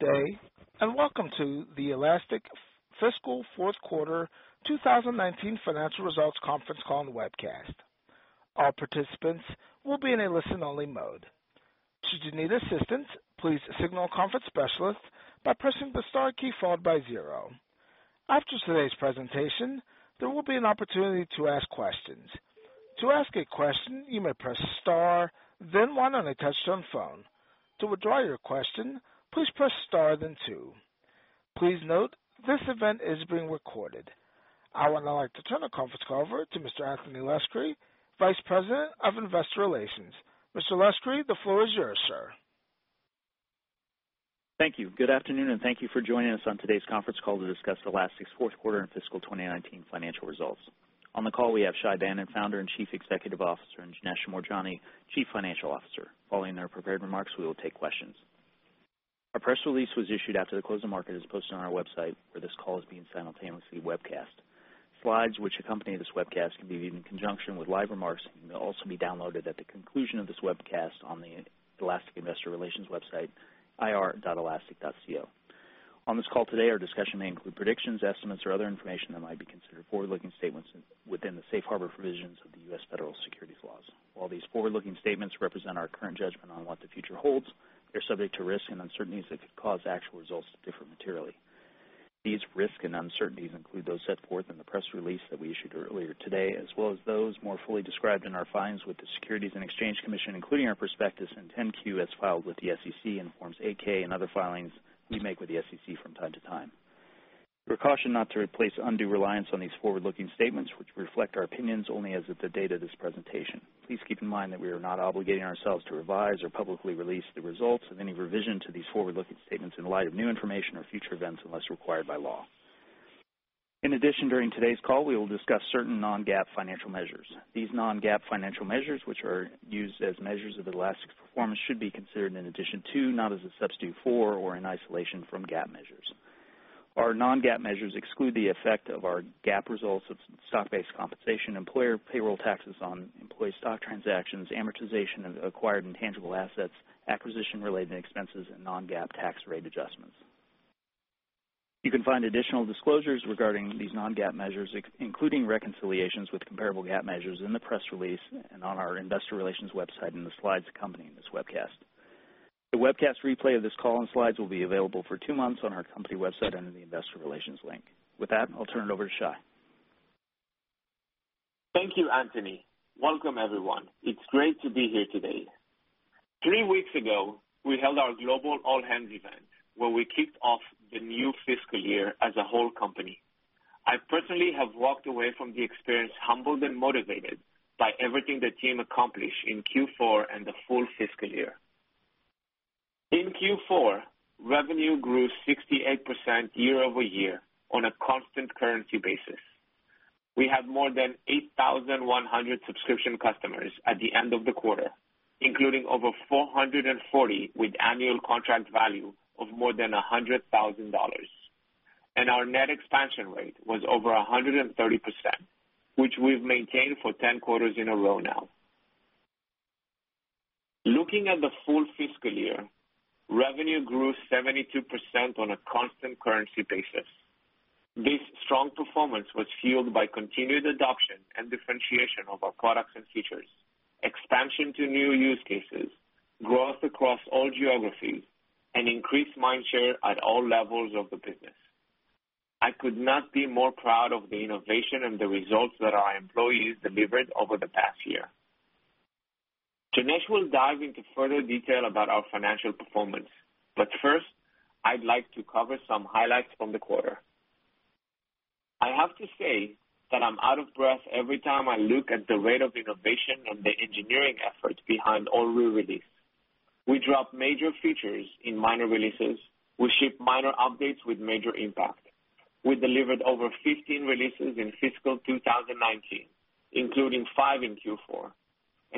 Good day, and welcome to the Elastic Fiscal Fourth Quarter 2019 Financial Results Conference Call and Webcast. All participants will be in a listen-only mode. Should you need assistance, please signal a conference specialist by pressing the star key followed by 0. After today's presentation, there will be an opportunity to ask questions. To ask a question, you may press star, then 1 on a touch-tone phone. To withdraw your question, please press star, then 2. Please note, this event is being recorded. I would now like to turn the conference call over to Mr. Anthony Luscri, Vice President of Investor Relations. Mr. Luscri, the floor is yours, sir. Thank you. Good afternoon, and thank you for joining us on today's conference call to discuss Elastic's fourth quarter and fiscal 2019 financial results. On the call we have Shay Banon, Founder and Chief Executive Officer, and Janesh Moorjani, Chief Financial Officer. Following their prepared remarks, we will take questions. Our press release was issued after the close of market, as posted on our website, where this call is being simultaneously webcast. Slides which accompany this webcast can be viewed in conjunction with live remarks and may also be downloaded at the conclusion of this webcast on the Elastic Investor Relations website, ir.elastic.co. On this call today, our discussion may include predictions, estimates, or other information that might be considered forward-looking statements within the safe harbor provisions of the U.S. Federal Securities laws. While these forward-looking statements represent our current judgment on what the future holds, they're subject to risks and uncertainties that could cause actual results to differ materially. These risks and uncertainties include those set forth in the press release that we issued earlier today, as well as those more fully described in our filings with the Securities and Exchange Commission, including our prospectus in 10-Q, as filed with the SEC, and Forms 8-K and other filings we make with the SEC from time to time. We are cautioned not to place undue reliance on these forward-looking statements, which reflect our opinions only as of the date of this presentation. Please keep in mind that we are not obligating ourselves to revise or publicly release the results of any revision to these forward-looking statements in light of new information or future events, unless required by law. During today's call, we will discuss certain non-GAAP financial measures. These non-GAAP financial measures, which are used as measures of Elastic's performance, should be considered in addition to, not as a substitute for or an isolation from GAAP measures. Our non-GAAP measures exclude the effect of our GAAP results of stock-based compensation, employer payroll taxes on employee stock transactions, amortization of acquired intangible assets, acquisition-related expenses, and non-GAAP tax rate adjustments. You can find additional disclosures regarding these non-GAAP measures, including reconciliations with comparable GAAP measures, in the press release and on our investor relations website in the slides accompanying this webcast. The webcast replay of this call and slides will be available for 2 months on our company website under the investor relations link. With that, I'll turn it over to Shay. Thank you, Anthony. Welcome, everyone. It's great to be here today. Three weeks ago, we held our global all-hands event, where we kicked off the new fiscal year as a whole company. I personally have walked away from the experience humbled and motivated by everything the team accomplished in Q4 and the full fiscal year. In Q4, revenue grew 68% year-over-year on a constant currency basis. We have more than 8,100 subscription customers at the end of the quarter, including over 440 with annual contract value of more than $100,000. Our net expansion rate was over 130%, which we've maintained for 10 quarters in a row now. Looking at the full fiscal year, revenue grew 72% on a constant currency basis. This strong performance was fueled by continued adoption and differentiation of our products and features, expansion to new use cases, growth across all geographies, and increased mind share at all levels of the business. I could not be more proud of the innovation and the results that our employees delivered over the past year. Janesh will dive into further detail about our financial performance, but first, I'd like to cover some highlights from the quarter. I have to say that I'm out of breath every time I look at the rate of innovation and the engineering efforts behind all we release. We drop major features in minor releases, we ship minor updates with major impact. We delivered over 15 releases in fiscal 2019, including five in Q4,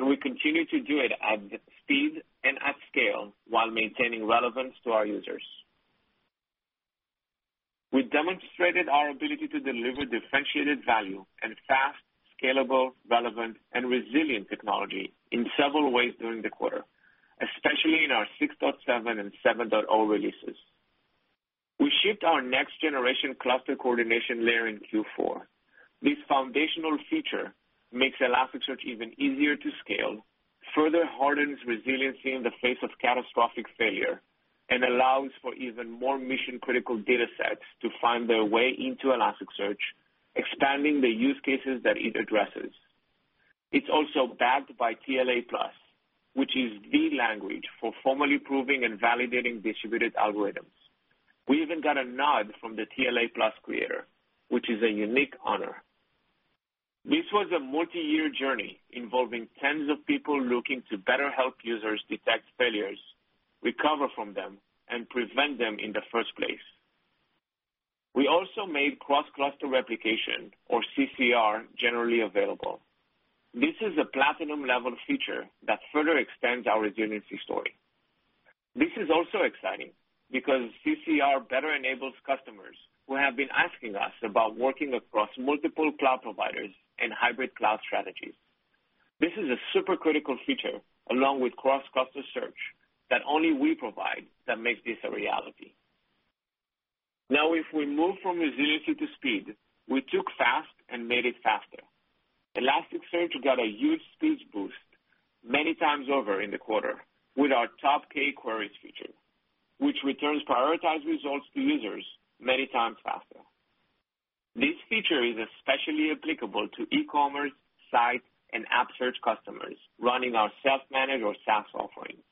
we continue to do it at speed and at scale while maintaining relevance to our users. We demonstrated our ability to deliver differentiated value and fast, scalable, relevant, and resilient technology in several ways during the quarter, especially in our 6.7 and 7.0 releases. We shipped our next generation cluster coordination layer in Q4. This foundational feature makes Elasticsearch even easier to scale, further hardens resiliency in the face of catastrophic failure, and allows for even more mission-critical data sets to find their way into Elasticsearch, expanding the use cases that it addresses. It's also backed by TLA+, which is the language for formally proving and validating distributed algorithms. We even got a nod from the TLA+ creator, which is a unique honor. This was a multi-year journey involving tens of people looking to better help users detect failures, recover from them, and prevent them in the first place. We also made cross-cluster replication, or CCR, generally available. This is a platinum-level feature that further extends our resiliency story. This is also exciting because CCR better enables customers who have been asking us about working across multiple cloud providers and hybrid cloud strategies. This is a super critical feature, along with cross-cluster search, that only we provide that makes this a reality. If we move from resiliency to speed, we took fast and made it faster. Elasticsearch got a huge speed boost many times over in the quarter with our top K queries feature, which returns prioritized results to users many times faster. This feature is especially applicable to e-commerce, site, and app search customers running our self-managed or SaaS offerings.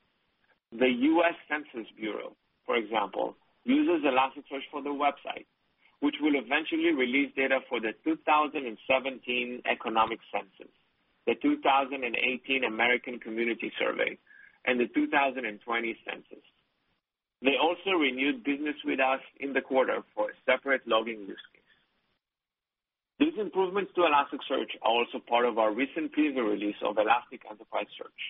The U.S. Census Bureau, for example, uses Elasticsearch for their website, which will eventually release data for the 2017 economic census, the 2018 American Community Survey, and the 2020 census. They also renewed business with us in the quarter for a separate logging use case. These improvements to Elasticsearch are also part of our recent preview release of Elastic Enterprise Search.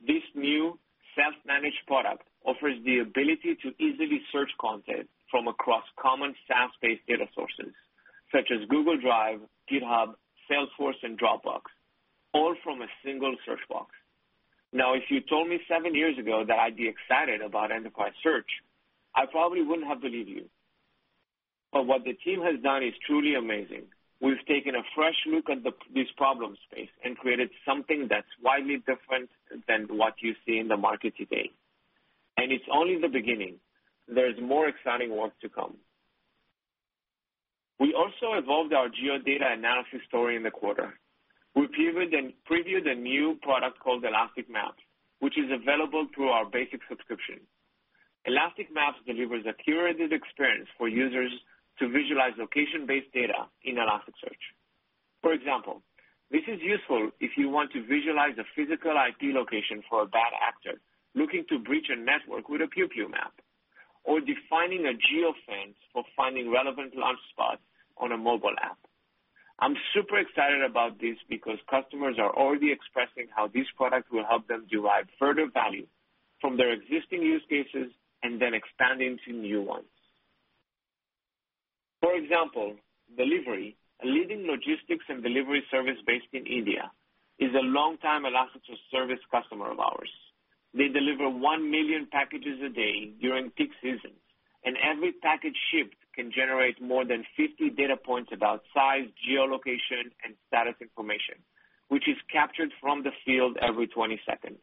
This new self-managed product offers the ability to easily search content from across common SaaS-based data sources, such as Google Drive, GitHub, Salesforce, and Dropbox, all from a single search box. If you told me seven years ago that I'd be excited about enterprise search, I probably wouldn't have believed you. What the team has done is truly amazing. We've taken a fresh look at this problem space and created something that's widely different than what you see in the market today, it's only the beginning. There's more exciting work to come. We also evolved our geo-data analysis story in the quarter. We previewed a new product called Elastic Maps, which is available through our basic subscription. Elastic Maps delivers a curated experience for users to visualize location-based data in Elasticsearch. For example, this is useful if you want to visualize the physical IP location for a bad actor looking to breach a network with a pew pew map or defining a geofence for finding relevant launch spots on a mobile app. I'm super excited about this because customers are already expressing how this product will help them derive further value from their existing use cases and then expand into new ones. For example, Delhivery, a leading logistics and delivery service based in India, is a long-time Elasticsearch service customer of ours. They deliver 1 million packages a day during peak seasons, every package shipped can generate more than 50 data points about size, geolocation, and status information, which is captured from the field every 20 seconds.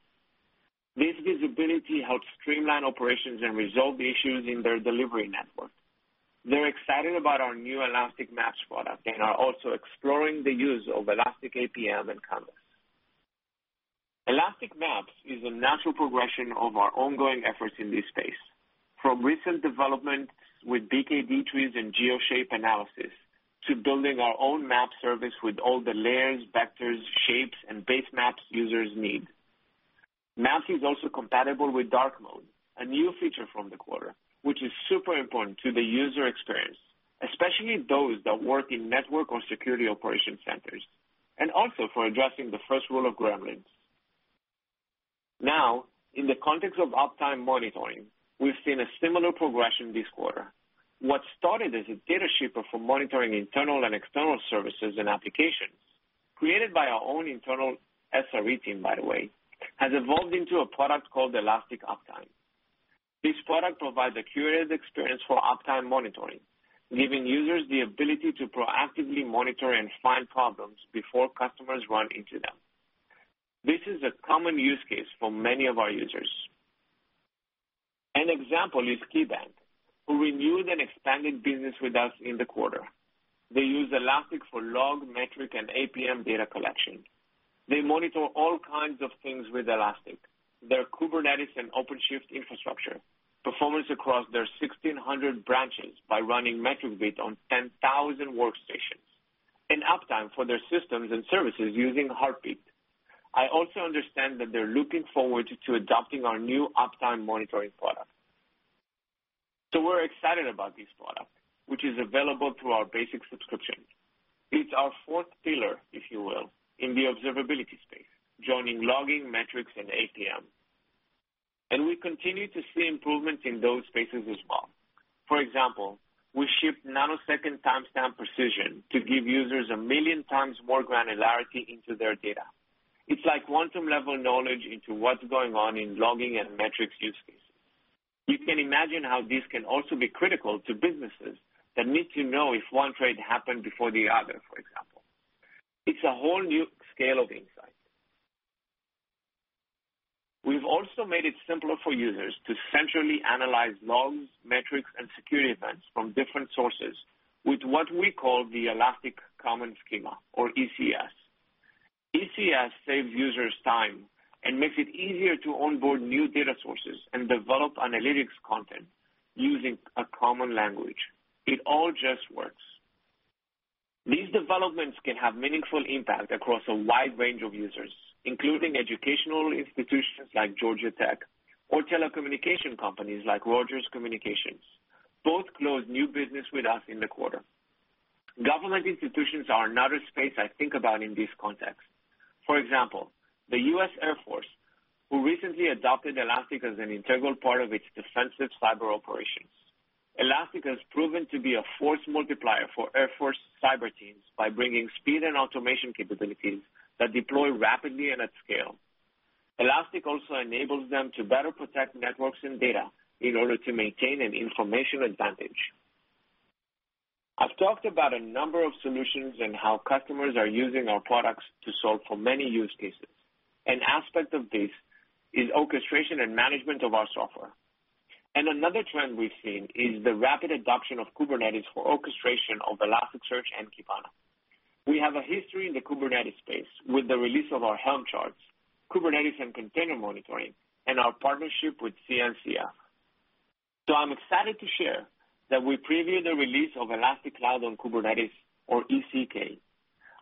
This visibility helps streamline operations and resolve issues in their delivery network. They're excited about our new Elastic Maps product and are also exploring the use of Elastic APM and Canvas. Elastic Maps is a natural progression of our ongoing efforts in this space, from recent developments with BKD trees and geo shape analysis, to building our own map service with all the layers, vectors, shapes, and base maps users need. Maps is also compatible with dark mode, a new feature from the quarter, which is super important to the user experience, especially those that work in network or security operation centers, also for addressing the first rule of gremlins. In the context of uptime monitoring, we've seen a similar progression this quarter. What started as a data shipper for monitoring internal and external services and applications, created by our own internal SRE team, by the way, has evolved into a product called Elastic Uptime. This product provides a curated experience for uptime monitoring, giving users the ability to proactively monitor and find problems before customers run into them. This is a common use case for many of our users. An example is KeyBank, who renewed and expanded business with us in the quarter. They use Elastic for log, metric, and APM data collection. They monitor all kinds of things with Elastic, their Kubernetes and OpenShift infrastructure, performance across their 1,600 branches by running Metricbeat on 10,000 workstations, and uptime for their systems and services using Heartbeat. I also understand that they're looking forward to adopting our new uptime monitoring product. We're excited about this product, which is available through our basic subscription. It's our fourth pillar, if you will, in the observability space, joining logging, metrics, and APM. We continue to see improvements in those spaces as well. For example, we ship nanosecond timestamp precision to give users 1 million times more granularity into their data. It's like quantum-level knowledge into what's going on in logging and metrics use case. You can imagine how this can also be critical to businesses that need to know if one trade happened before the other, for example. It's a whole new scale of insight. We've also made it simpler for users to centrally analyze logs, metrics, and security events from different sources with what we call the Elastic Common Schema or ECS. ECS saves users time and makes it easier to onboard new data sources and develop analytics content using a common language. It all just works. These developments can have meaningful impact across a wide range of users, including educational institutions like Georgia Tech or telecommunication companies like Rogers Communications. Both closed new business with us in the quarter. Government institutions are another space I think about in this context. For example, the U.S. Air Force, who recently adopted Elastic as an integral part of its defensive cyber operation. Elastic has proven to be a force multiplier for Air Force cyber teams by bringing speed and automation capabilities that deploy rapidly and at scale. Elastic also enables them to better protect networks and data in order to maintain an information advantage. I've talked about a number of solutions and how customers are using our products to solve for many use cases. An aspect of this is orchestration and management of our software. Another trend we've seen is the rapid adoption of Kubernetes for orchestration of Elasticsearch and Kibana. We have a history in the Kubernetes space with the release of our Helm charts, Kubernetes and container monitoring, and our partnership with CNCF. I'm excited to share that we preview the release of Elastic Cloud on Kubernetes, or ECK,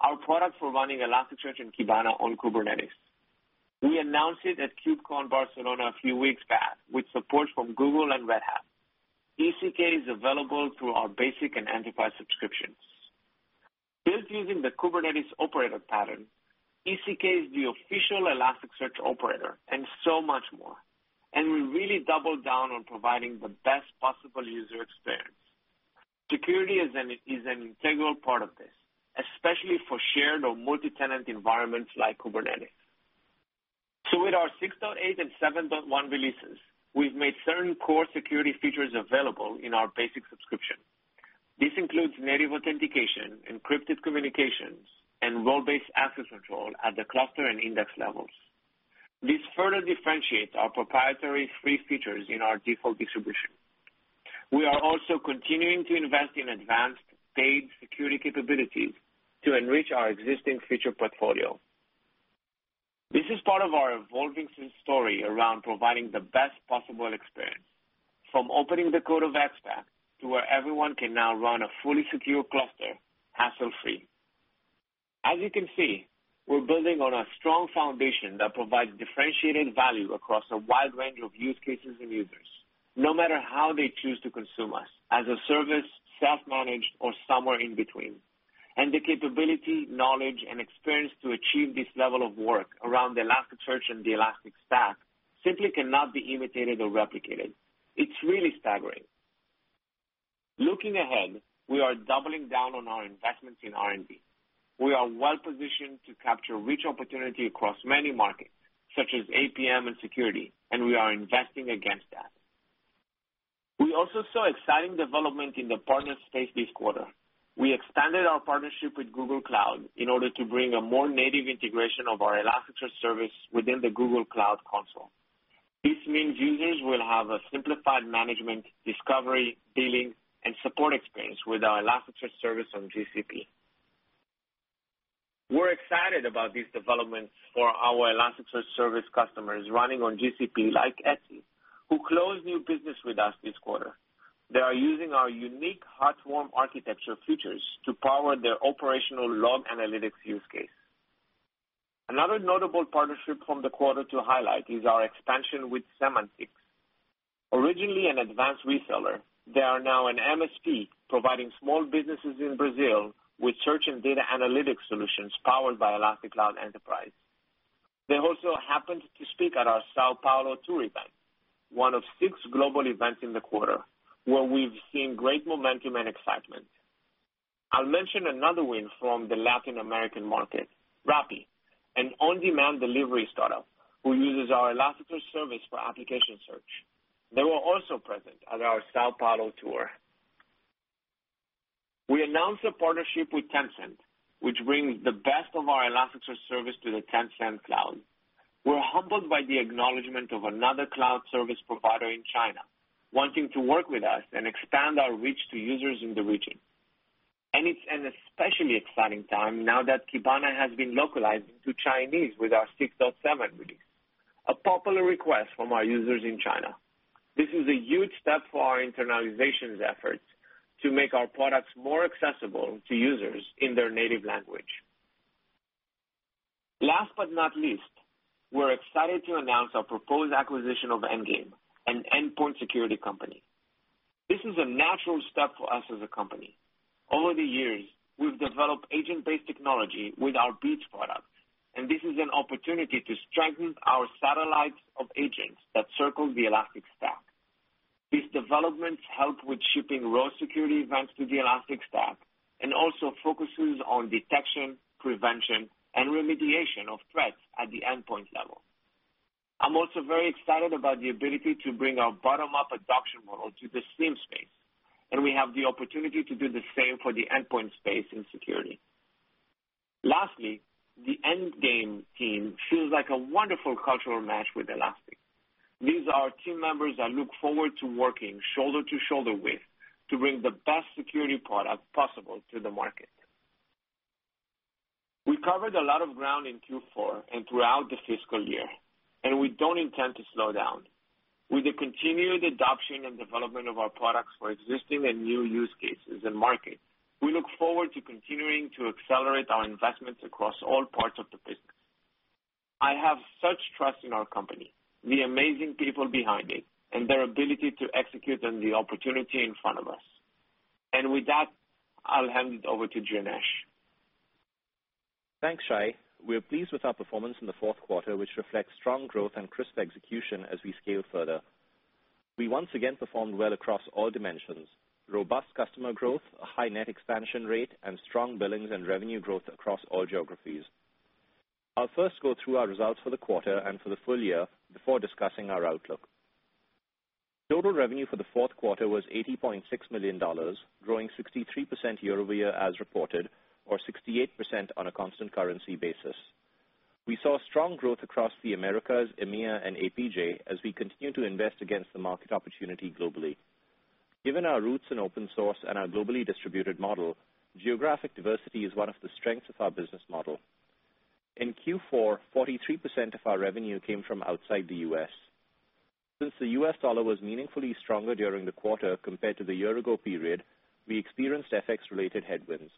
our product for running Elasticsearch and Kibana on Kubernetes. We announced it at KubeCon Barcelona a few weeks back with support from Google and Red Hat. ECK is available through our basic and enterprise subscriptions. Built using the Kubernetes operator pattern, ECK is the official Elasticsearch operator and so much more. We really double down on providing the best possible user experience. Security is an integral part of this, especially for shared or multi-tenant environments like Kubernetes. With our 6.8 and 7.1 releases, we've made certain core security features available in our basic subscription. This includes native authentication, encrypted communications, and role-based access control at the cluster and index levels. This further differentiates our proprietary free features in our default distribution. We are also continuing to invest in advanced paid security capabilities to enrich our existing feature portfolio. This is part of our evolving story around providing the best possible experience, from opening the code of X-Pack to where everyone can now run a fully secure cluster, hassle-free. As you can see, we're building on a strong foundation that provides differentiated value across a wide range of use cases and users, no matter how they choose to consume us, as a service, self-managed, or somewhere in between. The capability, knowledge, and experience to achieve this level of work around the Elasticsearch and the Elastic Stack simply cannot be imitated or replicated. It's really staggering. Looking ahead, we are doubling down on our investments in R&D. We are well-positioned to capture rich opportunity across many markets, such as APM and security, and we are investing against that. We also saw exciting development in the partner space this quarter. We expanded our partnership with Google Cloud in order to bring a more native integration of our Elasticsearch service within the Google Cloud Console. This means users will have a simplified management, discovery, billing, and support experience with our Elasticsearch service on GCP. We're excited about these developments for our Elasticsearch service customers running on GCP like Etsy, who closed new business with us this quarter. They are using our unique hot-warm architecture features to power their operational log analytics use case. Another notable partnership from the quarter to highlight is our expansion with Semantix. Originally an advanced reseller, they are now an MSP providing small businesses in Brazil with search and data analytics solutions powered by Elastic Cloud Enterprise. They also happened to speak at our São Paulo tour event, one of six global events in the quarter, where we've seen great momentum and excitement. I'll mention another win from the Latin American market, Rappi, an on-demand delivery startup who uses our Elasticsearch service for application search. They were also present at our São Paulo tour. We announced a partnership with Tencent, which brings the best of our Elasticsearch service to the Tencent Cloud. We're humbled by the acknowledgment of another cloud service provider in China wanting to work with us and expand our reach to users in the region. It's an especially exciting time now that Kibana has been localized into Chinese with our 6.7 release, a popular request from our users in China. This is a huge step for our internalization efforts to make our products more accessible to users in their native language. Last but not least, we're excited to announce our proposed acquisition of Endgame, an endpoint security company. This is a natural step for us as a company. Over the years, we've developed agent-based technology with our Beats product. This is an opportunity to strengthen our satellites of agents that circle the Elastic Stack. These developments help with shipping raw security events to the Elastic Stack and also focuses on detection, prevention, and remediation of threats at the endpoint level. I'm also very excited about the ability to bring our bottom-up adoption model to the SIEM space. We have the opportunity to do the same for the endpoint space in security. Lastly, the Endgame team feels like a wonderful cultural match with Elastic. These are team members I look forward to working shoulder to shoulder with to bring the best security product possible to the market. We covered a lot of ground in Q4 and throughout the fiscal year. We don't intend to slow down. With the continued adoption and development of our products for existing and new use cases and markets, we look forward to continuing to accelerate our investments across all parts of the business. I have such trust in our company, the amazing people behind it, and their ability to execute on the opportunity in front of us. With that, I'll hand it over to Janesh. Thanks, Shay. We are pleased with our performance in the fourth quarter, which reflects strong growth and crisp execution as we scale further. We once again performed well across all dimensions. Robust customer growth, a high net expansion rate, and strong billings and revenue growth across all geographies. I'll first go through our results for the quarter and for the full year before discussing our outlook. Total revenue for the fourth quarter was $80.6 million, growing 63% year-over-year as reported, or 68% on a constant currency basis. We saw strong growth across the Americas, EMEA, and APJ as we continue to invest against the market opportunity globally. Given our roots in open source and our globally distributed model, geographic diversity is one of the strengths of our business model. In Q4, 43% of our revenue came from outside the U.S. Since the U.S. dollar was meaningfully stronger during the quarter compared to the year ago period, we experienced FX-related headwinds.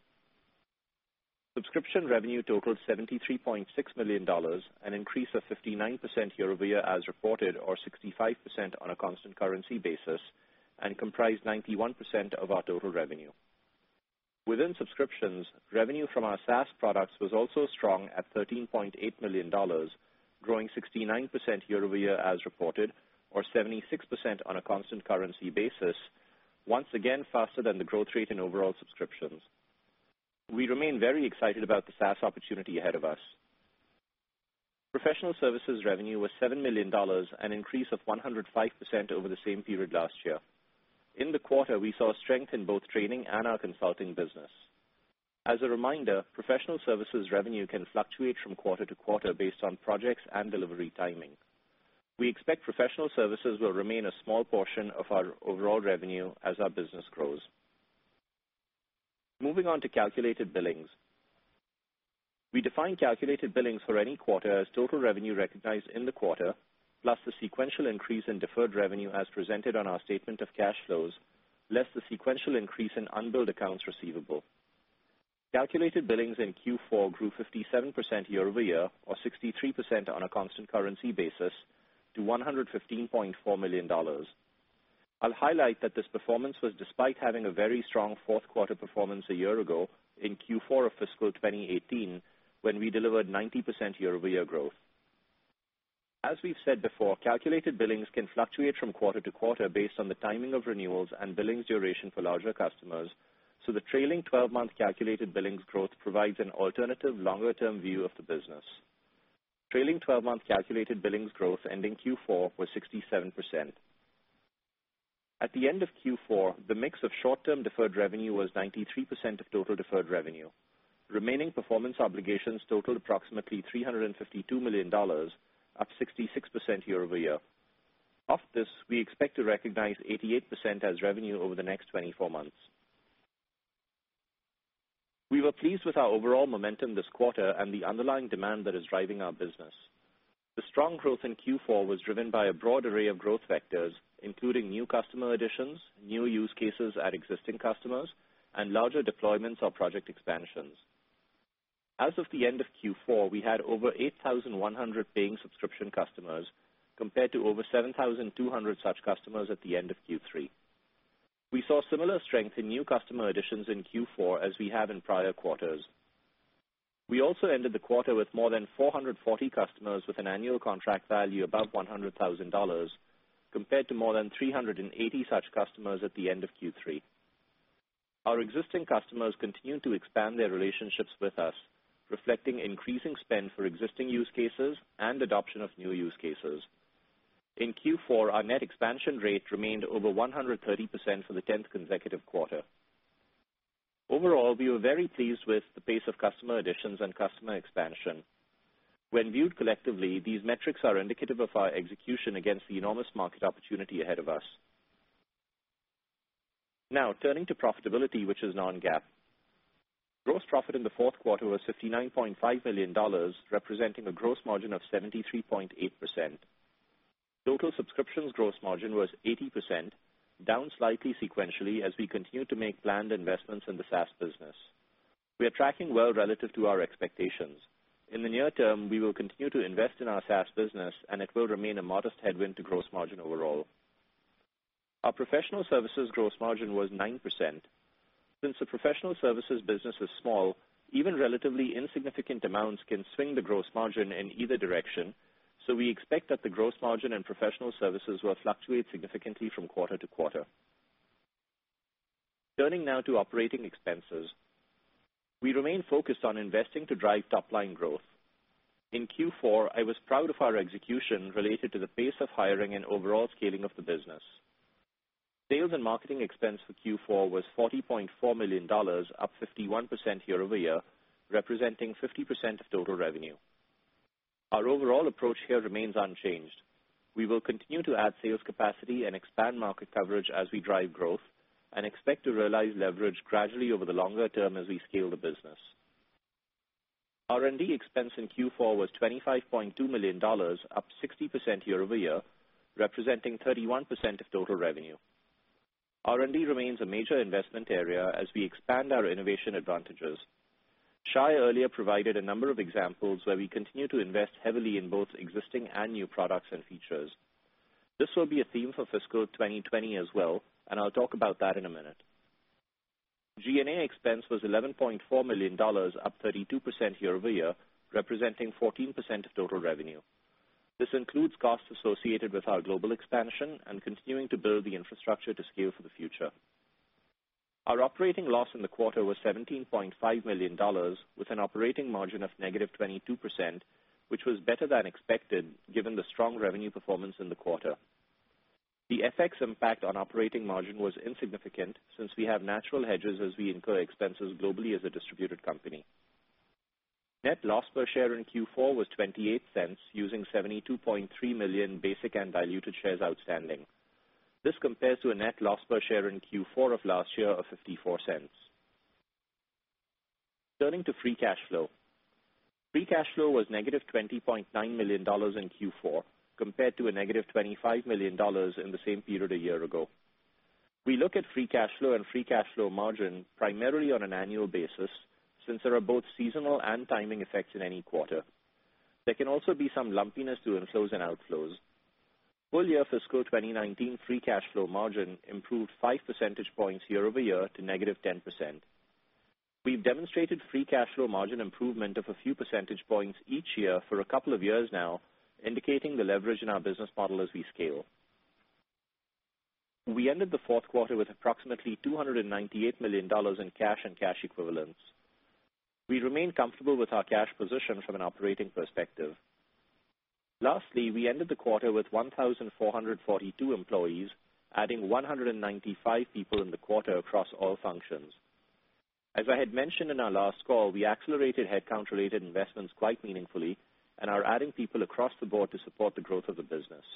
Subscription revenue totaled $73.6 million, an increase of 59% year-over-year as reported, or 65% on a constant currency basis, and comprised 91% of our total revenue. Within subscriptions, revenue from our SaaS products was also strong at $13.8 million, growing 69% year-over-year as reported, or 76% on a constant currency basis, once again faster than the growth rate in overall subscriptions. Professional services revenue was $7 million, an increase of 105% over the same period last year. In the quarter, we saw strength in both training and our consulting business. As a reminder, professional services revenue can fluctuate from quarter-to-quarter based on projects and delivery timing. We expect professional services will remain a small portion of our overall revenue as our business grows. Moving on to calculated billings. We define calculated billings for any quarter as total revenue recognized in the quarter, plus the sequential increase in deferred revenue as presented on our statement of cash flows, less the sequential increase in unbilled accounts receivable. Calculated billings in Q4 grew 57% year-over-year or 63% on a constant currency basis to $115.4 million. I'll highlight that this performance was despite having a very strong fourth quarter performance a year ago in Q4 of fiscal 2018, when we delivered 90% year-over-year growth. As we've said before, calculated billings can fluctuate from quarter-to-quarter based on the timing of renewals and billings duration for larger customers, so the trailing 12-month calculated billings growth provides an alternative longer-term view of the business. Trailing 12-month calculated billings growth ending Q4 was 67%. At the end of Q4, the mix of short-term deferred revenue was 93% of total deferred revenue. Remaining performance obligations totaled approximately $352 million, up 66% year-over-year. Of this, we expect to recognize 88% as revenue over the next 24 months. We were pleased with our overall momentum this quarter and the underlying demand that is driving our business. The strong growth in Q4 was driven by a broad array of growth vectors, including new customer additions, new use cases at existing customers, and larger deployments or project expansions. As of the end of Q4, we had over 8,100 paying subscription customers, compared to over 7,200 such customers at the end of Q3. We saw similar strength in new customer additions in Q4 as we have in prior quarters. We also ended the quarter with more than 440 customers with an annual contract value above $100,000, compared to more than 380 such customers at the end of Q3. Our existing customers continue to expand their relationships with us, reflecting increasing spend for existing use cases and adoption of new use cases. In Q4, our net expansion rate remained over 130% for the 10th consecutive quarter. Overall, we were very pleased with the pace of customer additions and customer expansion. When viewed collectively, these metrics are indicative of our execution against the enormous market opportunity ahead of us. Turning to profitability, which is non-GAAP. Gross profit in the fourth quarter was $59.5 million, representing a gross margin of 73.8%. Total subscriptions gross margin was 80%, down slightly sequentially as we continue to make planned investments in the SaaS business. We are tracking well relative to our expectations. In the near term, we will continue to invest in our SaaS business, and it will remain a modest headwind to gross margin overall. Our professional services gross margin was 9%. Since the professional services business is small, even relatively insignificant amounts can swing the gross margin in either direction. We expect that the gross margin and professional services will fluctuate significantly from quarter to quarter. Turning now to operating expenses. We remain focused on investing to drive top-line growth. In Q4, I was proud of our execution related to the pace of hiring and overall scaling of the business. Sales and marketing expense for Q4 was $40.4 million, up 51% year-over-year, representing 50% of total revenue. Our overall approach here remains unchanged. We will continue to add sales capacity and expand market coverage as we drive growth and expect to realize leverage gradually over the longer term as we scale the business. R&D expense in Q4 was $25.2 million, up 60% year-over-year, representing 31% of total revenue. R&D remains a major investment area as we expand our innovation advantages. Shay earlier provided a number of examples where we continue to invest heavily in both existing and new products and features. This will be a theme for fiscal 2020 as well, and I'll talk about that in a minute. G&A expense was $11.4 million, up 32% year-over-year, representing 14% of total revenue. This includes costs associated with our global expansion and continuing to build the infrastructure to scale for the future. Our operating loss in the quarter was $17.5 million, with an operating margin of negative 22%, which was better than expected given the strong revenue performance in the quarter. The FX impact on operating margin was insignificant since we have natural hedges as we incur expenses globally as a distributed company. Net loss per share in Q4 was $0.28, using 72.3 million basic and diluted shares outstanding. This compares to a net loss per share in Q4 of last year of $0.54. Turning to free cash flow. Free cash flow was negative $20.9 million in Q4, compared to a negative $25 million in the same period a year ago. We look at free cash flow and free cash flow margin primarily on an annual basis, since there are both seasonal and timing effects in any quarter. There can also be some lumpiness to inflows and outflows. Full year fiscal 2019 free cash flow margin improved five percentage points year-over-year to negative 10%. We've demonstrated free cash flow margin improvement of a few percentage points each year for a couple of years now, indicating the leverage in our business model as we scale. We ended the fourth quarter with approximately $298 million in cash and cash equivalents. We remain comfortable with our cash position from an operating perspective. Lastly, we ended the quarter with 1,442 employees, adding 195 people in the quarter across all functions. As I had mentioned in our last call, we accelerated headcount-related investments quite meaningfully and are adding people across the board to support the growth of the business.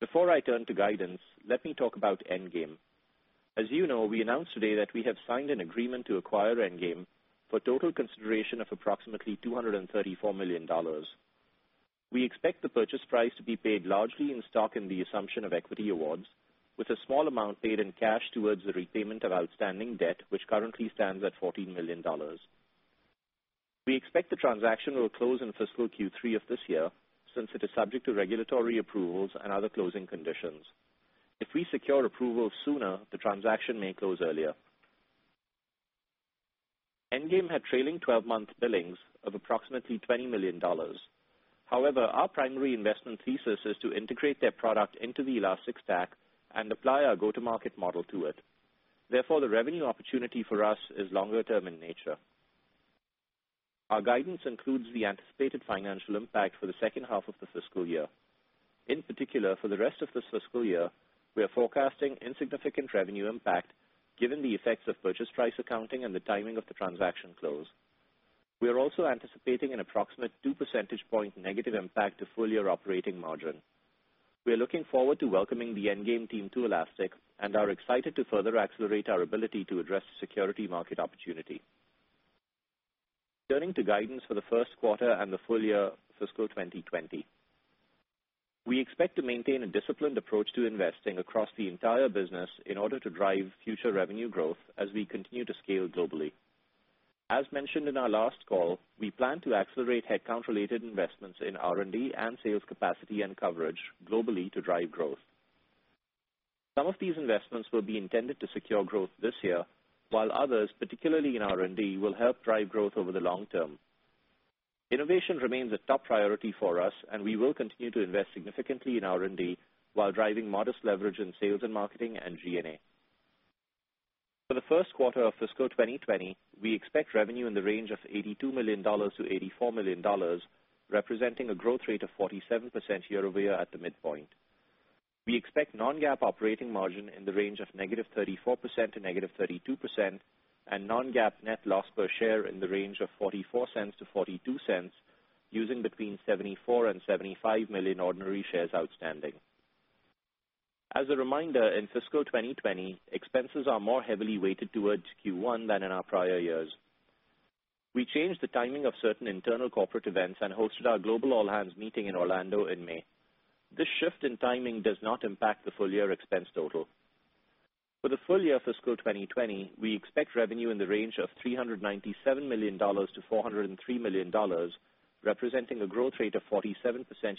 Before I turn to guidance, let me talk about Endgame. As you know, we announced today that we have signed an agreement to acquire Endgame for total consideration of approximately $234 million. We expect the purchase price to be paid largely in stock and the assumption of equity awards, with a small amount paid in cash towards the repayment of outstanding debt, which currently stands at $14 million. We expect the transaction will close in fiscal Q3 of this year, since it is subject to regulatory approvals and other closing conditions. If we secure approval sooner, the transaction may close earlier. Endgame had trailing 12-month billings of approximately $20 million. However, our primary investment thesis is to integrate their product into the Elastic Stack and apply our go-to-market model to it. Therefore, the revenue opportunity for us is longer term in nature. Our guidance includes the anticipated financial impact for the second half of the fiscal year. In particular, for the rest of this fiscal year, we are forecasting insignificant revenue impact given the effects of purchase price accounting and the timing of the transaction close. We are also anticipating an approximate two percentage point negative impact to full year operating margin. We are looking forward to welcoming the Endgame team to Elastic and are excited to further accelerate our ability to address the security market opportunity. Turning to guidance for the first quarter and the full year fiscal 2020. We expect to maintain a disciplined approach to investing across the entire business in order to drive future revenue growth as we continue to scale globally. As mentioned in our last call, we plan to accelerate headcount-related investments in R&D and sales capacity and coverage globally to drive growth. Some of these investments will be intended to secure growth this year, while others, particularly in R&D, will help drive growth over the long term. Innovation remains a top priority for us, we will continue to invest significantly in R&D while driving modest leverage in sales and marketing and G&A. For the first quarter of fiscal 2020, we expect revenue in the range of $82 million to $84 million, representing a growth rate of 47% year-over-year at the midpoint. We expect non-GAAP operating margin in the range of negative 34% to negative 32%, and non-GAAP net loss per share in the range of $0.44 to $0.42, using between 74 million and 75 million ordinary shares outstanding. As a reminder, in fiscal 2020, expenses are more heavily weighted towards Q1 than in our prior years. We changed the timing of certain internal corporate events and hosted our global all-hands meeting in Orlando in May. This shift in timing does not impact the full-year expense total. For the full year fiscal 2020, we expect revenue in the range of $397 million to $403 million, representing a growth rate of 47%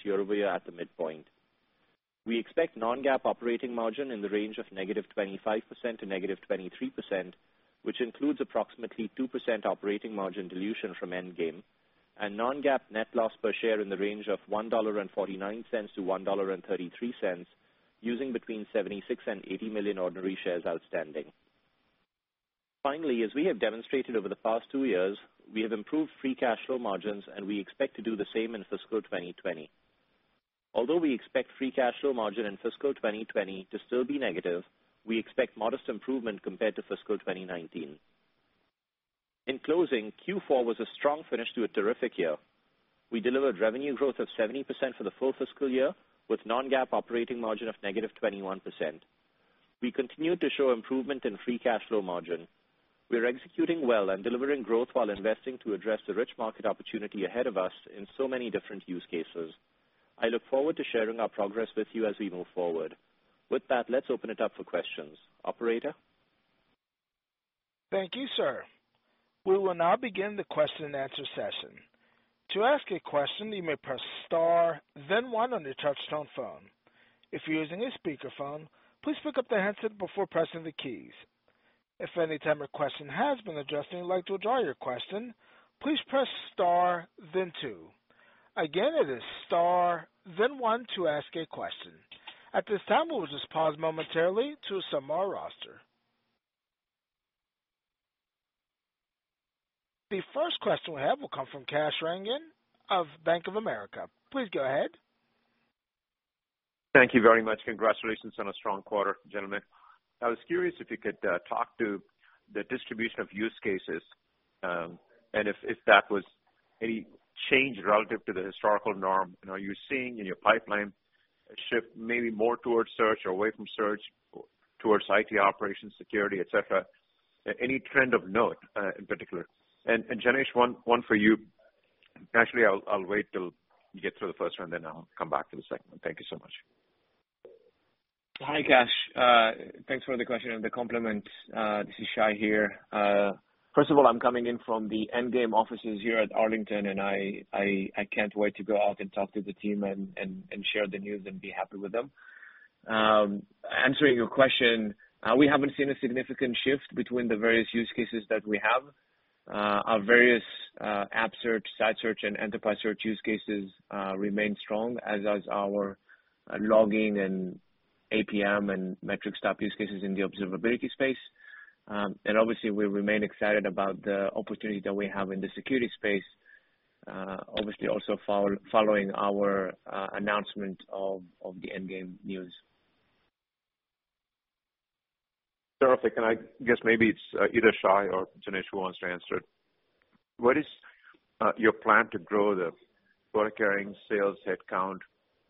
year-over-year at the midpoint. We expect non-GAAP operating margin in the range of negative 25% to negative 23%, which includes approximately 2% operating margin dilution from Endgame, and non-GAAP net loss per share in the range of $1.49 to $1.33, using between 76 million and 80 million ordinary shares outstanding. Finally, as we have demonstrated over the past two years, we have improved free cash flow margins, and we expect to do the same in fiscal 2020. Although we expect free cash flow margin in fiscal 2020 to still be negative, we expect modest improvement compared to fiscal 2019. In closing, Q4 was a strong finish to a terrific year. We delivered revenue growth of 70% for the full fiscal year with non-GAAP operating margin of negative 21%. We continued to show improvement in free cash flow margin. We are executing well and delivering growth while investing to address the rich market opportunity ahead of us in so many different use cases. I look forward to sharing our progress with you as we move forward. With that, let's open it up for questions. Operator? Thank you, sir. We will now begin the question and answer session. To ask a question, you may press star then one on your touchtone phone. If you're using a speakerphone, please pick up the handset before pressing the keys. If at any time your question has been addressed and you'd like to withdraw your question, please press star then two. Again, it is star then one to ask a question. At this time, we will just pause momentarily to assemble our roster. The first question we have will come from Kash Rangan of Bank of America. Please go ahead. Thank you very much. Congratulations on a strong quarter, gentlemen. I was curious if you could talk to the distribution of use cases, and if that was any change relative to the historical norm. Are you seeing in your pipeline a shift maybe more towards search or away from search towards IT operations, security, et cetera? Any trend of note, in particular. Janesh, one for you. Actually, I'll wait till you get through the first one, then I'll come back to the second one. Thank you so much. Hi, Kash. Thanks for the question and the compliment. This is Shay here. First of all, I'm coming in from the Endgame offices here at Arlington, I can't wait to go out and talk to the team and share the news and be happy with them. Answering your question, we haven't seen a significant shift between the various use cases that we have. Our various app search, site search, and enterprise search use cases remain strong, as does our logging and APM and metrics use cases in the observability space. Obviously, we remain excited about the opportunity that we have in the security space. Obviously, also following our announcement of the Endgame news. Terrific. I guess maybe it's either Shay or Janesh who wants to answer it. What is your plan to grow the board carrying sales headcount?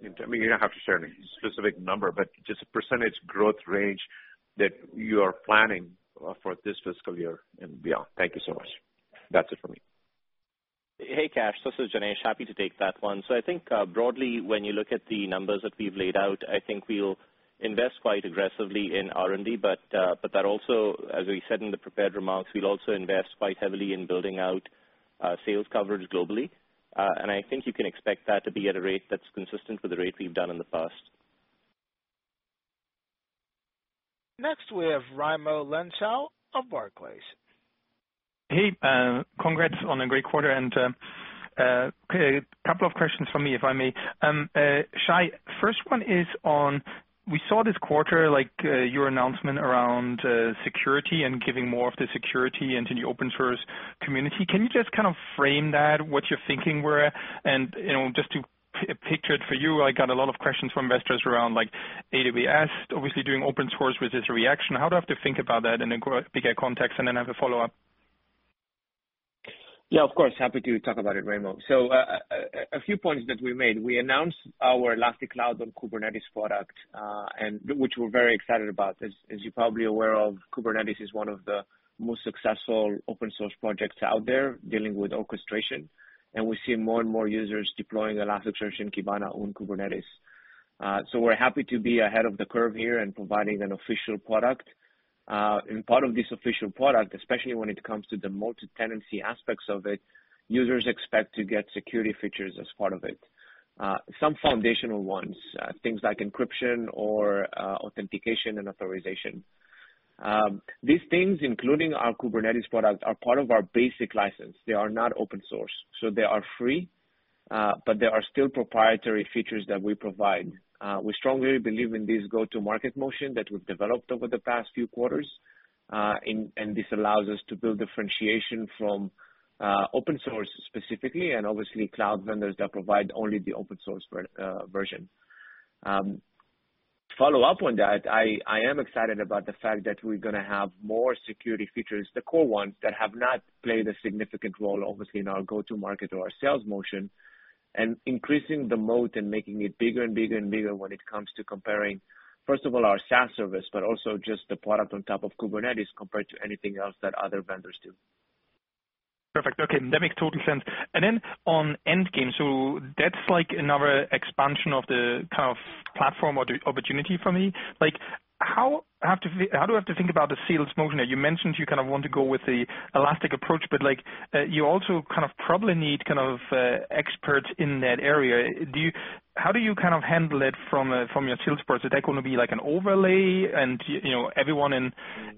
You don't have to share any specific number, but just a percentage growth range that you are planning for this fiscal year and beyond. Thank you so much. That's it for me. Hey, Kash. This is Janesh. Happy to take that one. I think, broadly, when you look at the numbers that we've laid out, I think we'll invest quite aggressively in R&D. That also, as we said in the prepared remarks, we'll also invest quite heavily in building out sales coverage globally. I think you can expect that to be at a rate that's consistent with the rate we've done in the past. Next, we have Raimo Lenschow of Barclays. Hey. Congrats on a great quarter. A couple of questions from me, if I may. Shay, first one is on, we saw this quarter, your announcement around security and giving more of the security into the open source community. Can you just kind of frame that, what you're thinking we're at? Just to picture it for you, I got a lot of questions from investors around like AWS, obviously doing open source with its reaction. How do I have to think about that in a bigger context? Then I have a follow-up. Yeah, of course. Happy to talk about it, Raimo. A few points that we made. We announced our Elastic Cloud on Kubernetes product, which we're very excited about. As you're probably aware of, Kubernetes is one of the most successful open source projects out there dealing with orchestration, and we're seeing more and more users deploying Elasticsearch and Kibana on Kubernetes. We're happy to be ahead of the curve here and providing an official product. Part of this official product, especially when it comes to the multi-tenancy aspects of it, users expect to get security features as part of it. Some foundational ones, things like encryption or authentication and authorization. These things, including our Kubernetes product, are part of our basic license. They are not open source. They are free, but there are still proprietary features that we provide. We strongly believe in this go-to-market motion that we've developed over the past few quarters. This allows us to build differentiation from open source specifically and obviously cloud vendors that provide only the open source version. To follow up on that, I am excited about the fact that we're going to have more security features, the core ones that have not played a significant role, obviously, in our go-to-market or our sales motion, and increasing the moat and making it bigger and bigger and bigger when it comes to comparing, first of all, our SaaS service, but also just the product on top of Kubernetes compared to anything else that other vendors do. Perfect. Okay. That makes total sense. On Endgame, that's like another expansion of the kind of platform or the opportunity for me. How do I have to think about the sales motion? You mentioned you kind of want to go with the Elastic approach, but you also kind of probably need kind of experts in that area. How do you kind of handle it from your sales perspective? Is that going to be like an overlay and everyone in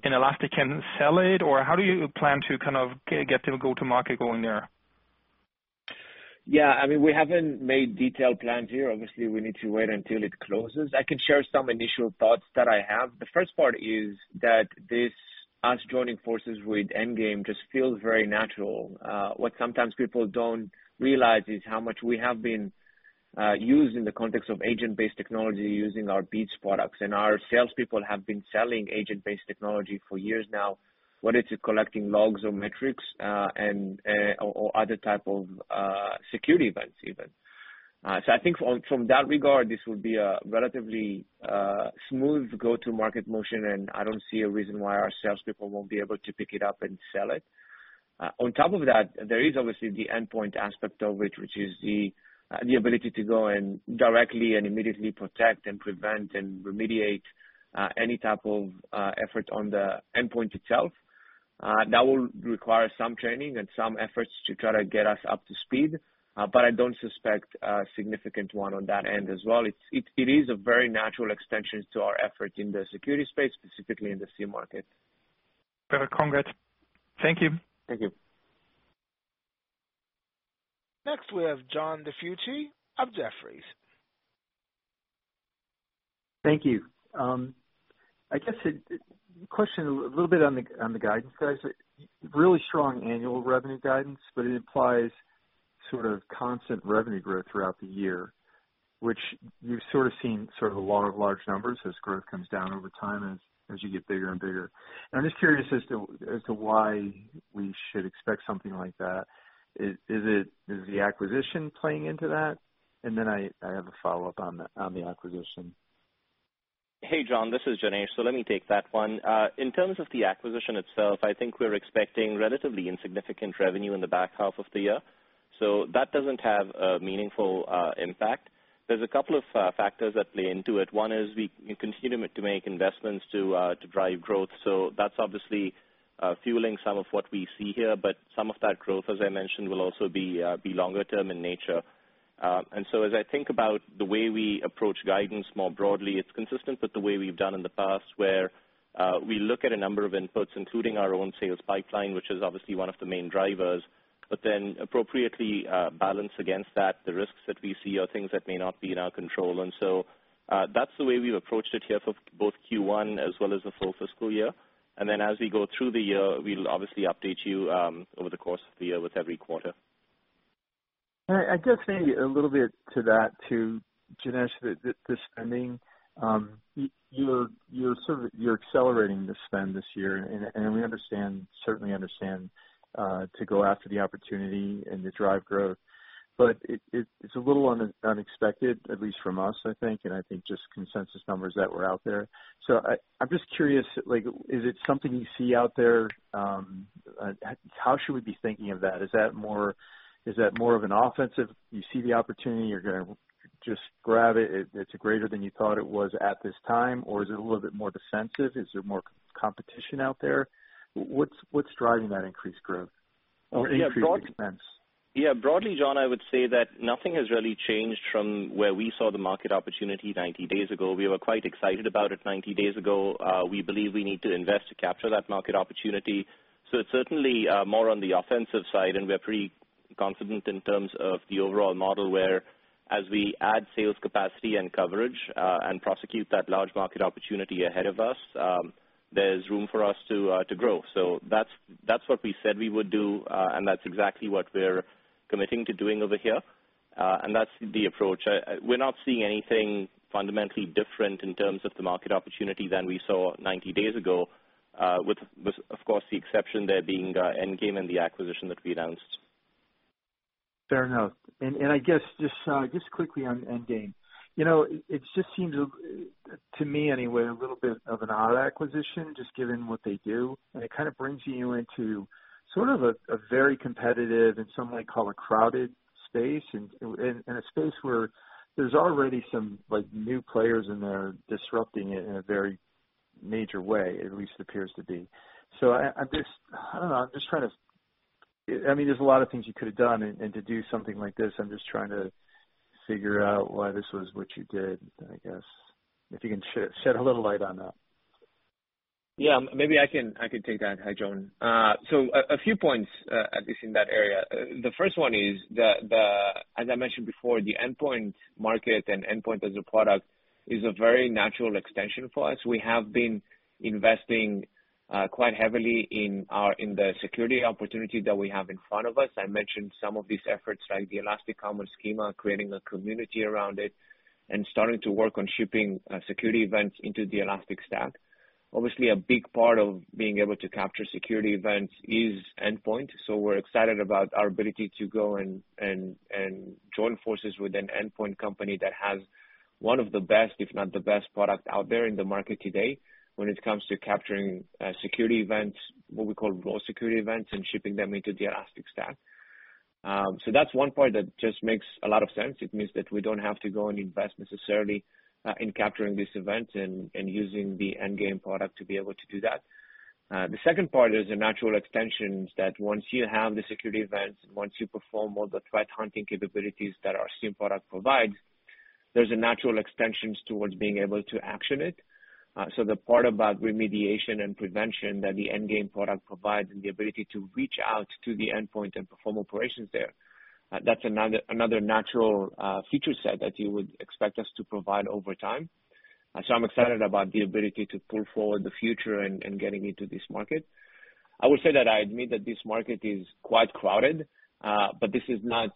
Elastic can sell it? Or how do you plan to kind of get to go to market going there? I mean, we haven't made detailed plans here. Obviously, we need to wait until it closes. I can share some initial thoughts that I have. The first part is that this, us joining forces with Endgame just feels very natural. What sometimes people don't realize is how much we have been used in the context of agent-based technology using our Beats products. Our salespeople have been selling agent-based technology for years now, whether it is collecting logs or metrics or other type of security events even. I think from that regard, this will be a relatively smooth go-to-market motion, I don't see a reason why our salespeople won't be able to pick it up and sell it. On top of that, there is obviously the endpoint aspect of it, which is the ability to go and directly and immediately protect and prevent and remediate any type of effort on the endpoint itself. That will require some training and some efforts to try to get us up to speed. I don't suspect a significant one on that end as well. It is a very natural extension to our effort in the security space, specifically in the SIEM market. Perfect. Congrats. Thank you. Thank you. Next, we have John DiFucci of Jefferies. Thank you. I guess a question a little bit on the guidance, guys. Really strong annual revenue guidance, but it implies sort of constant revenue growth throughout the year, which you've sort of seen sort of a lot of large numbers as growth comes down over time as you get bigger and bigger. I'm just curious as to why we should expect something like that. Is the acquisition playing into that? I have a follow-up on the acquisition. Hey, John, this is Janesh. Let me take that one. In terms of the acquisition itself, I think we're expecting relatively insignificant revenue in the back half of the year. That doesn't have a meaningful impact. There's a couple of factors that play into it. One is we continue to make investments to drive growth. That's obviously fueling some of what we see here, but some of that growth, as I mentioned, will also be longer term in nature. As I think about the way we approach guidance more broadly, it's consistent with the way we've done in the past, where we look at a number of inputs, including our own sales pipeline, which is obviously one of the main drivers, appropriately balance against that the risks that we see are things that may not be in our control. That's the way we've approached it here for both Q1 as well as the full fiscal year. As we go through the year, we'll obviously update you over the course of the year with every quarter. And I guess maybe a little bit to that too, Janesh, the spending. You're accelerating the spend this year, and we certainly understand to go after the opportunity and to drive growth. It's a little unexpected, at least from us, I think, and I think just consensus numbers that were out there. I'm just curious, is it something you see out there? How should we be thinking of that? Is that more of an offensive, you see the opportunity, you're going to just grab it's greater than you thought it was at this time, or is it a little bit more defensive? Is there more competition out there? What's driving that increased growth or increased expense? Broadly, John, I would say that nothing has really changed from where we saw the market opportunity 90 days ago. We were quite excited about it 90 days ago. We believe we need to invest to capture that market opportunity. It's certainly more on the offensive side, and we're pretty confident in terms of the overall model where as we add sales capacity and coverage, and prosecute that large market opportunity ahead of us, there's room for us to grow. That's what we said we would do, and that's exactly what we're committing to doing over here. That's the approach. We're not seeing anything fundamentally different in terms of the market opportunity than we saw 90 days ago, with, of course, the exception there being Endgame and the acquisition that we announced. Fair enough. I guess, just quickly on Endgame. It just seems, to me anyway, a little bit of an odd acquisition, just given what they do, and it kind of brings you into sort of a very competitive and some might call a crowded space, and a space where there's already some new players in there disrupting it in a very major way, at least appears to be. I don't know. I mean, there's a lot of things you could have done, and to do something like this, I'm just trying to figure out why this was what you did, I guess. If you can shed a little light on that. Yeah. Maybe I can take that. Hi, John. A few points, at least in that area. The first one is, as I mentioned before, the endpoint market and endpoint as a product is a very natural extension for us. We have been investing quite heavily in the security opportunity that we have in front of us. I mentioned some of these efforts, like the Elastic Common Schema, creating a community around it, and starting to work on shipping security events into the Elastic Stack. Obviously, a big part of being able to capture security events is endpoint, we're excited about our ability to go and join forces with an endpoint company that has one of the best, if not the best product out there in the market today when it comes to capturing security events, what we call raw security events, and shipping them into the Elastic Stack. That's one point that just makes a lot of sense. It means that we don't have to go and invest necessarily in capturing these events and using the Endgame product to be able to do that. The second part is the natural extensions that once you have the security events, once you perform all the threat hunting capabilities that our SIEM product provides, there's a natural extension towards being able to action it. The part about remediation and prevention that the Endgame product provides, and the ability to reach out to the endpoint and perform operations there, that's another natural feature set that you would expect us to provide over time. I'm excited about the ability to pull forward the future and getting into this market. I would say that I admit that this market is quite crowded, this is not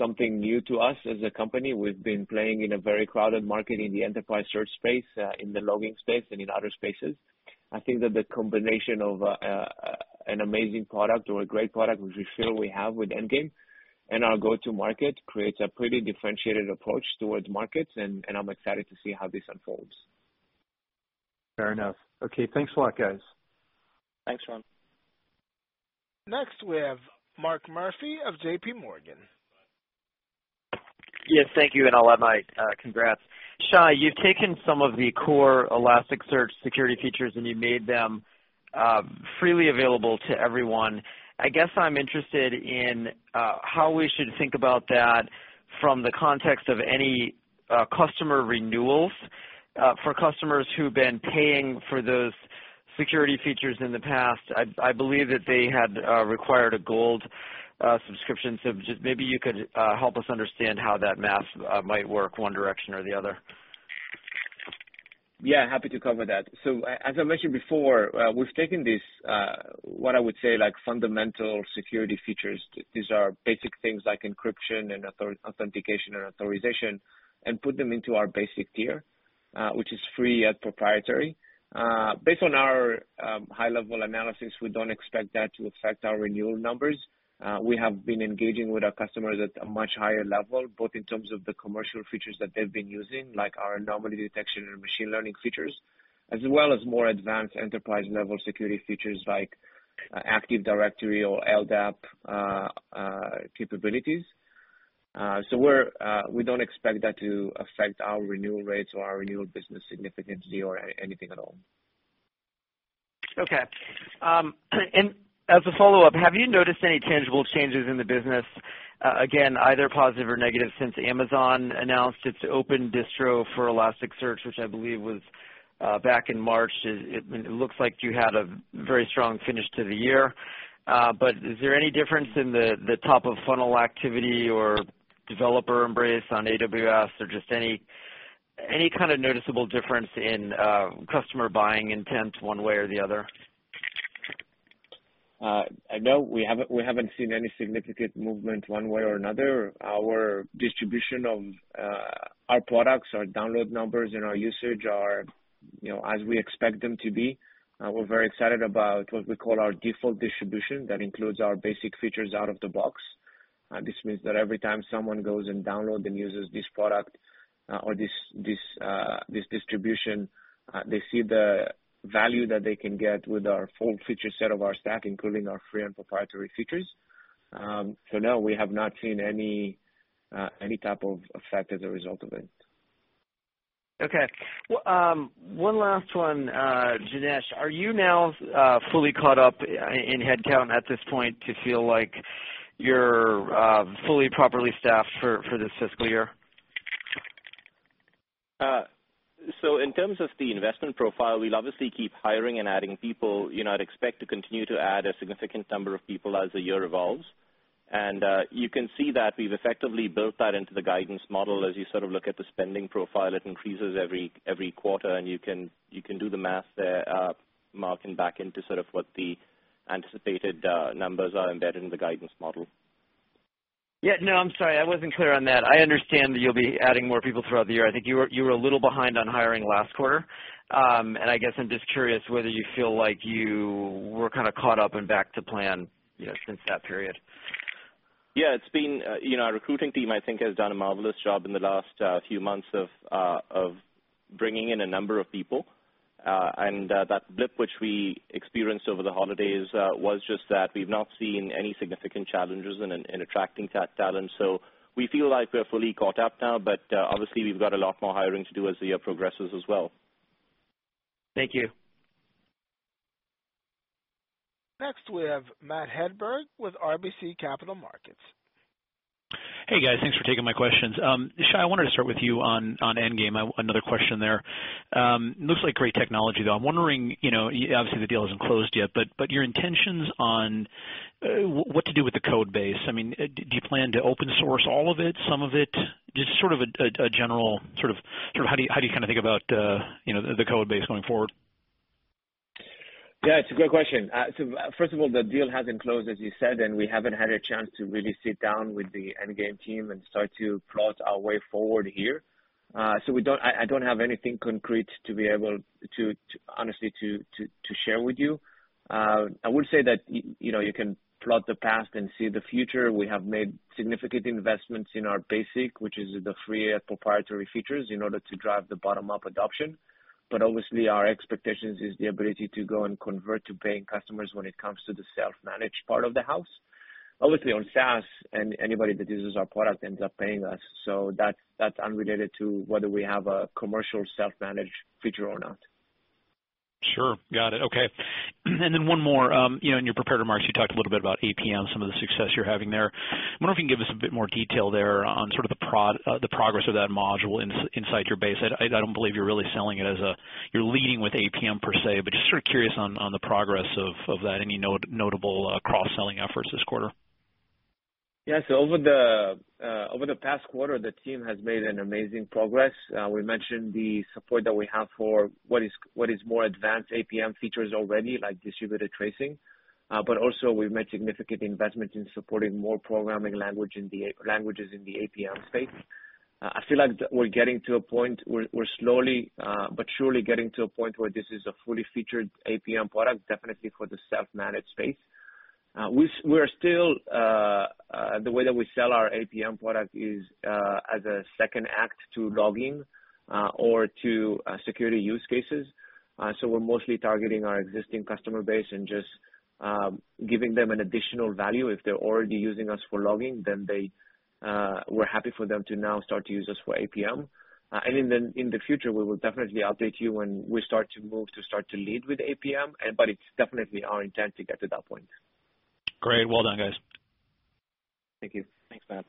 something new to us as a company. We've been playing in a very crowded market in the enterprise search space, in the logging space, and in other spaces. I think that the combination of an amazing product or a great product, which we feel we have with Endgame, and our go-to-market creates a pretty differentiated approach towards markets, and I'm excited to see how this unfolds. Fair enough. Okay, thanks a lot, guys. Thanks, John. Next, we have Mark Murphy of J.P. Morgan. Yes, thank you, and all of my congrats. Shay, you've taken some of the core Elasticsearch security features, and you made them freely available to everyone. I guess I'm interested in how we should think about that from the context of any customer renewals, for customers who've been paying for those security features in the past. I believe that they had required a Gold subscription. Just maybe you could help us understand how that math might work one direction or the other. Yeah, happy to cover that. As I mentioned before, we've taken these, what I would say, fundamental security features. These are basic things like encryption and authentication and authorization, and put them into our basic tier, which is free and proprietary. Based on our high-level analysis, we don't expect that to affect our renewal numbers. We have been engaging with our customers at a much higher level, both in terms of the commercial features that they've been using, like our anomaly detection and machine learning features, as well as more advanced enterprise-level security features like Active Directory or LDAP capabilities. We don't expect that to affect our renewal rates or our renewal business significantly or anything at all. Okay. As a follow-up, have you noticed any tangible changes in the business, again, either positive or negative, since Amazon announced its Open Distro for Elasticsearch, which I believe was back in March? It looks like you had a very strong finish to the year. Is there any difference in the top-of-funnel activity or developer embrace on AWS or just any kind of noticeable difference in customer buying intent one way or the other? No, we haven't seen any significant movement one way or another. Our distribution of our products, our download numbers, and our usage are as we expect them to be. We're very excited about what we call our default distribution. That includes our basic features out of the box. This means that every time someone goes and downloads and uses this product or this distribution, they see the value that they can get with our full feature set of our stack, including our free and proprietary features. No, we have not seen any type of effect as a result of it. Okay. One last one. Janesh, are you now fully caught up in headcount at this point to feel like you're fully, properly staffed for this fiscal year? In terms of the investment profile, we'll obviously keep hiring and adding people. I'd expect to continue to add a significant number of people as the year evolves. You can see that we've effectively built that into the guidance model. As you sort of look at the spending profile, it increases every quarter, and you can do the math there, Mark, and back into sort of what the anticipated numbers are embedded in the guidance model. I'm sorry. I wasn't clear on that. I understand that you'll be adding more people throughout the year. I think you were a little behind on hiring last quarter. I guess I'm just curious whether you feel like you were kind of caught up and back to plan since that period. Yeah. Our recruiting team, I think, has done a marvelous job in the last few months of bringing in a number of people. That blip, which we experienced over the holidays, was just that. We've not seen any significant challenges in attracting talent. We feel like we're fully caught up now, but obviously, we've got a lot more hiring to do as the year progresses as well. Thank you. Next, we have Matthew Hedberg with RBC Capital Markets. Hey, guys. Thanks for taking my questions. Shay, I wanted to start with you on Endgame, another question there. Looks like great technology, though. I'm wondering, obviously, the deal isn't closed yet, but your intentions on what to do with the code base. Do you plan to open source all of it, some of it? Just sort of a general, how do you think about the code base going forward? Yeah, it's a great question. First of all, the deal hasn't closed, as you said, and we haven't had a chance to really sit down with the Endgame team and start to plot our way forward here. I don't have anything concrete to be able, honestly, to share with you. I would say that you can plot the past and see the future. We have made significant investments in our basic, which is the free and proprietary features, in order to drive the bottom-up adoption. Obviously, our expectations is the ability to go and convert to paying customers when it comes to the self-managed part of the house. Obviously, on SaaS, anybody that uses our product ends up paying us. That's unrelated to whether we have a commercial self-managed feature or not. Sure. Got it. Okay. One more. In your prepared remarks, you talked a little bit about APM, some of the success you're having there. I wonder if you can give us a bit more detail there on sort of the progress of that module inside your base. I don't believe you're really selling it as you're leading with APM per se, but just sort of curious on the progress of that. Any notable cross-selling efforts this quarter? Yeah. Over the past quarter, the team has made an amazing progress. We mentioned the support that we have for what is more advanced APM features already, like distributed tracing. Also, we've made significant investments in supporting more programming languages in the APM space. I feel like we're getting to a point, we're slowly but surely getting to a point where this is a fully featured APM product, definitely for the self-managed space. We're still, the way that we sell our APM product is as a second act to logging or to security use cases. We're mostly targeting our existing customer base and just giving them an additional value. If they're already using us for logging, then we're happy for them to now start to use us for APM. In the future, we will definitely update you when we start to lead with APM, but it's definitely our intent to get to that point. Great. Well done, guys. Thank you. Thanks, Matt.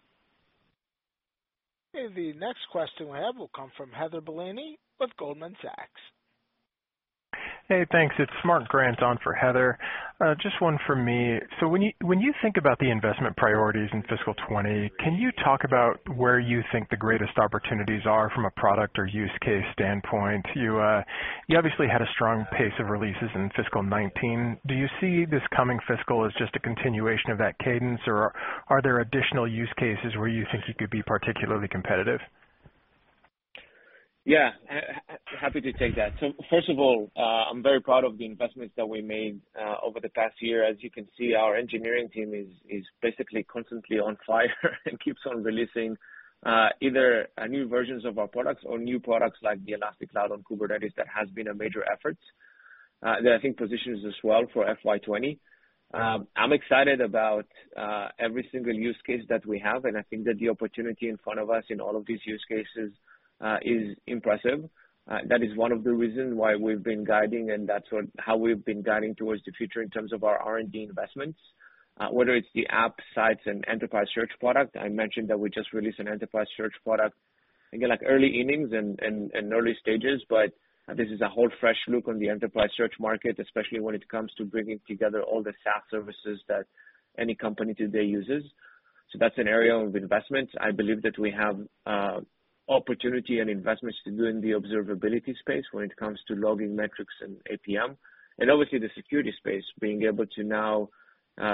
Okay. The next question we have will come from Heather Bellini with Goldman Sachs. Hey, thanks. It's Mark Grant on for Heather. Just one from me. When you think about the investment priorities in fiscal 2020, can you talk about where you think the greatest opportunities are from a product or use case standpoint? You obviously had a strong pace of releases in fiscal 2019. Do you see this coming fiscal as just a continuation of that cadence, or are there additional use cases where you think you could be particularly competitive? Yeah. Happy to take that. First of all, I'm very proud of the investments that we made over the past year. As you can see, our engineering team is basically constantly on fire and keeps on releasing either new versions of our products or new products like the Elastic Cloud on Kubernetes. That has been a major effort that I think positions us well for FY 2020. I'm excited about every single use case that we have, and I think that the opportunity in front of us in all of these use cases, is impressive. That is one of the reasons why we've been guiding, and that's how we've been guiding towards the future in terms of our R&D investments, whether it's the App Sites and Enterprise Search product. I mentioned that we just released an Enterprise Search product, again, like early innings and early stages, but this is a whole fresh look on the enterprise search market, especially when it comes to bringing together all the SaaS services that any company today uses. That's an area of investment. I believe that we have opportunity and investments to do in the observability space when it comes to logging metrics and APM, and obviously the security space, being able to now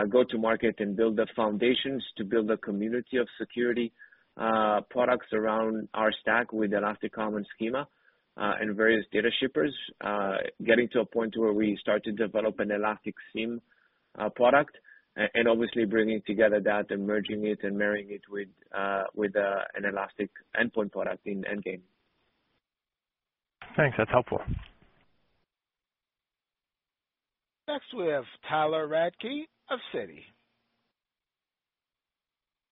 go to market and build the foundations to build a community of security products around our stack with Elastic Common Schema, and various data shippers, getting to a point where we start to develop an Elastic SIEM product, and obviously bringing together that and merging it and marrying it with an Elastic endpoint product in Endgame. Thanks. That's helpful. Next, we have Tyler Radke of Citi.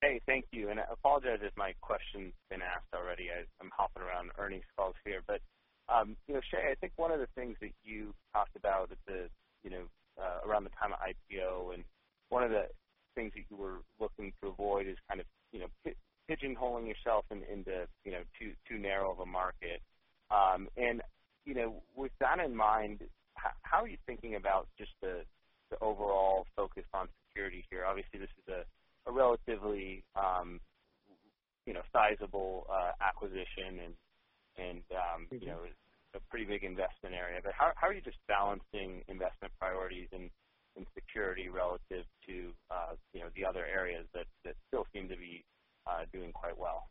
Hey, thank you. I apologize if my question's been asked already as I'm hopping around earnings calls here. Shay, I think one of the things that you talked about around the time of IPO, one of the things that you were looking to avoid is kind of pigeonholing yourself in the too narrow of a market. With that in mind, how are you thinking about just the overall focus on security here? Obviously, this is a relatively sizable acquisition, and- a pretty big investment area. How are you just balancing investment priorities in security relative to the other areas that still seem to be doing quite well?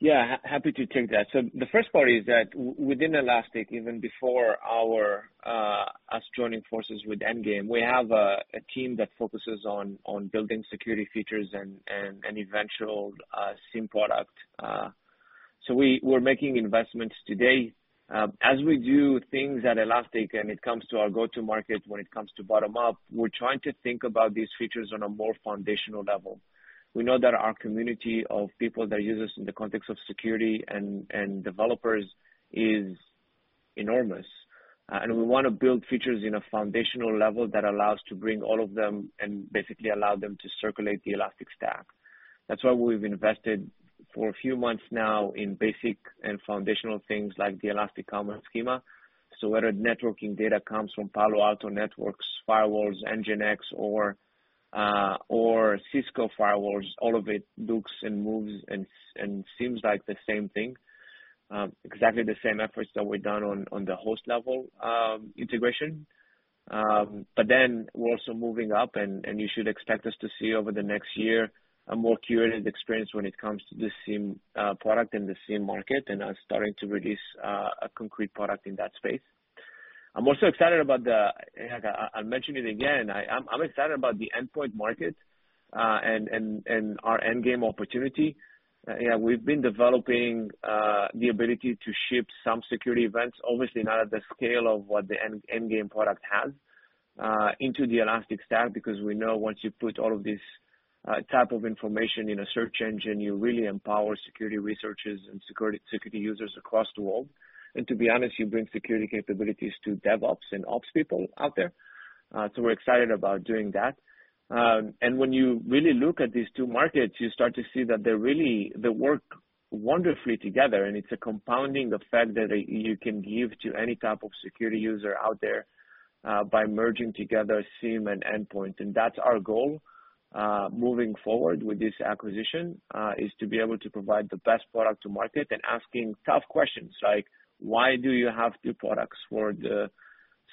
Yeah, happy to take that. The first part is that within Elastic, even before us joining forces with Endgame, we have a team that focuses on building security features and eventual SIEM product. We're making investments today. As we do things at Elastic, and it comes to our go-to-market, when it comes to bottom-up, we're trying to think about these features on a more foundational level. We know that our community of people that use us in the context of security and developers is enormous. We want to build features in a foundational level that allow us to bring all of them and basically allow them to circulate the Elastic Stack. That's why we've invested for a few months now in basic and foundational things like the Elastic Common Schema. Whether networking data comes from Palo Alto Networks, firewalls, NGINX, or Cisco firewalls, all of it looks and moves and seems like the same thing. Exactly the same efforts that we've done on the host level integration. We're also moving up, and you should expect us to see over the next year, a more curated experience when it comes to the SIEM product and the SIEM market, and are starting to release a concrete product in that space. I'm also excited about the, I'll mention it again, I'm excited about the endpoint market, and our Endgame opportunity. We've been developing the ability to ship some security events, obviously not at the scale of what the Endgame product has, into the Elastic Stack, because we know once you put all of this type of information in a search engine, you really empower security researchers and security users across the world. To be honest, you bring security capabilities to DevOps and Ops people out there. We're excited about doing that. When you really look at these two markets, you start to see that they work wonderfully together, and it's a compounding effect that you can give to any type of security user out there, by merging together SIEM and endpoint. That's our goal, moving forward with this acquisition, is to be able to provide the best product to market and asking tough questions like, "Why do you have two products for the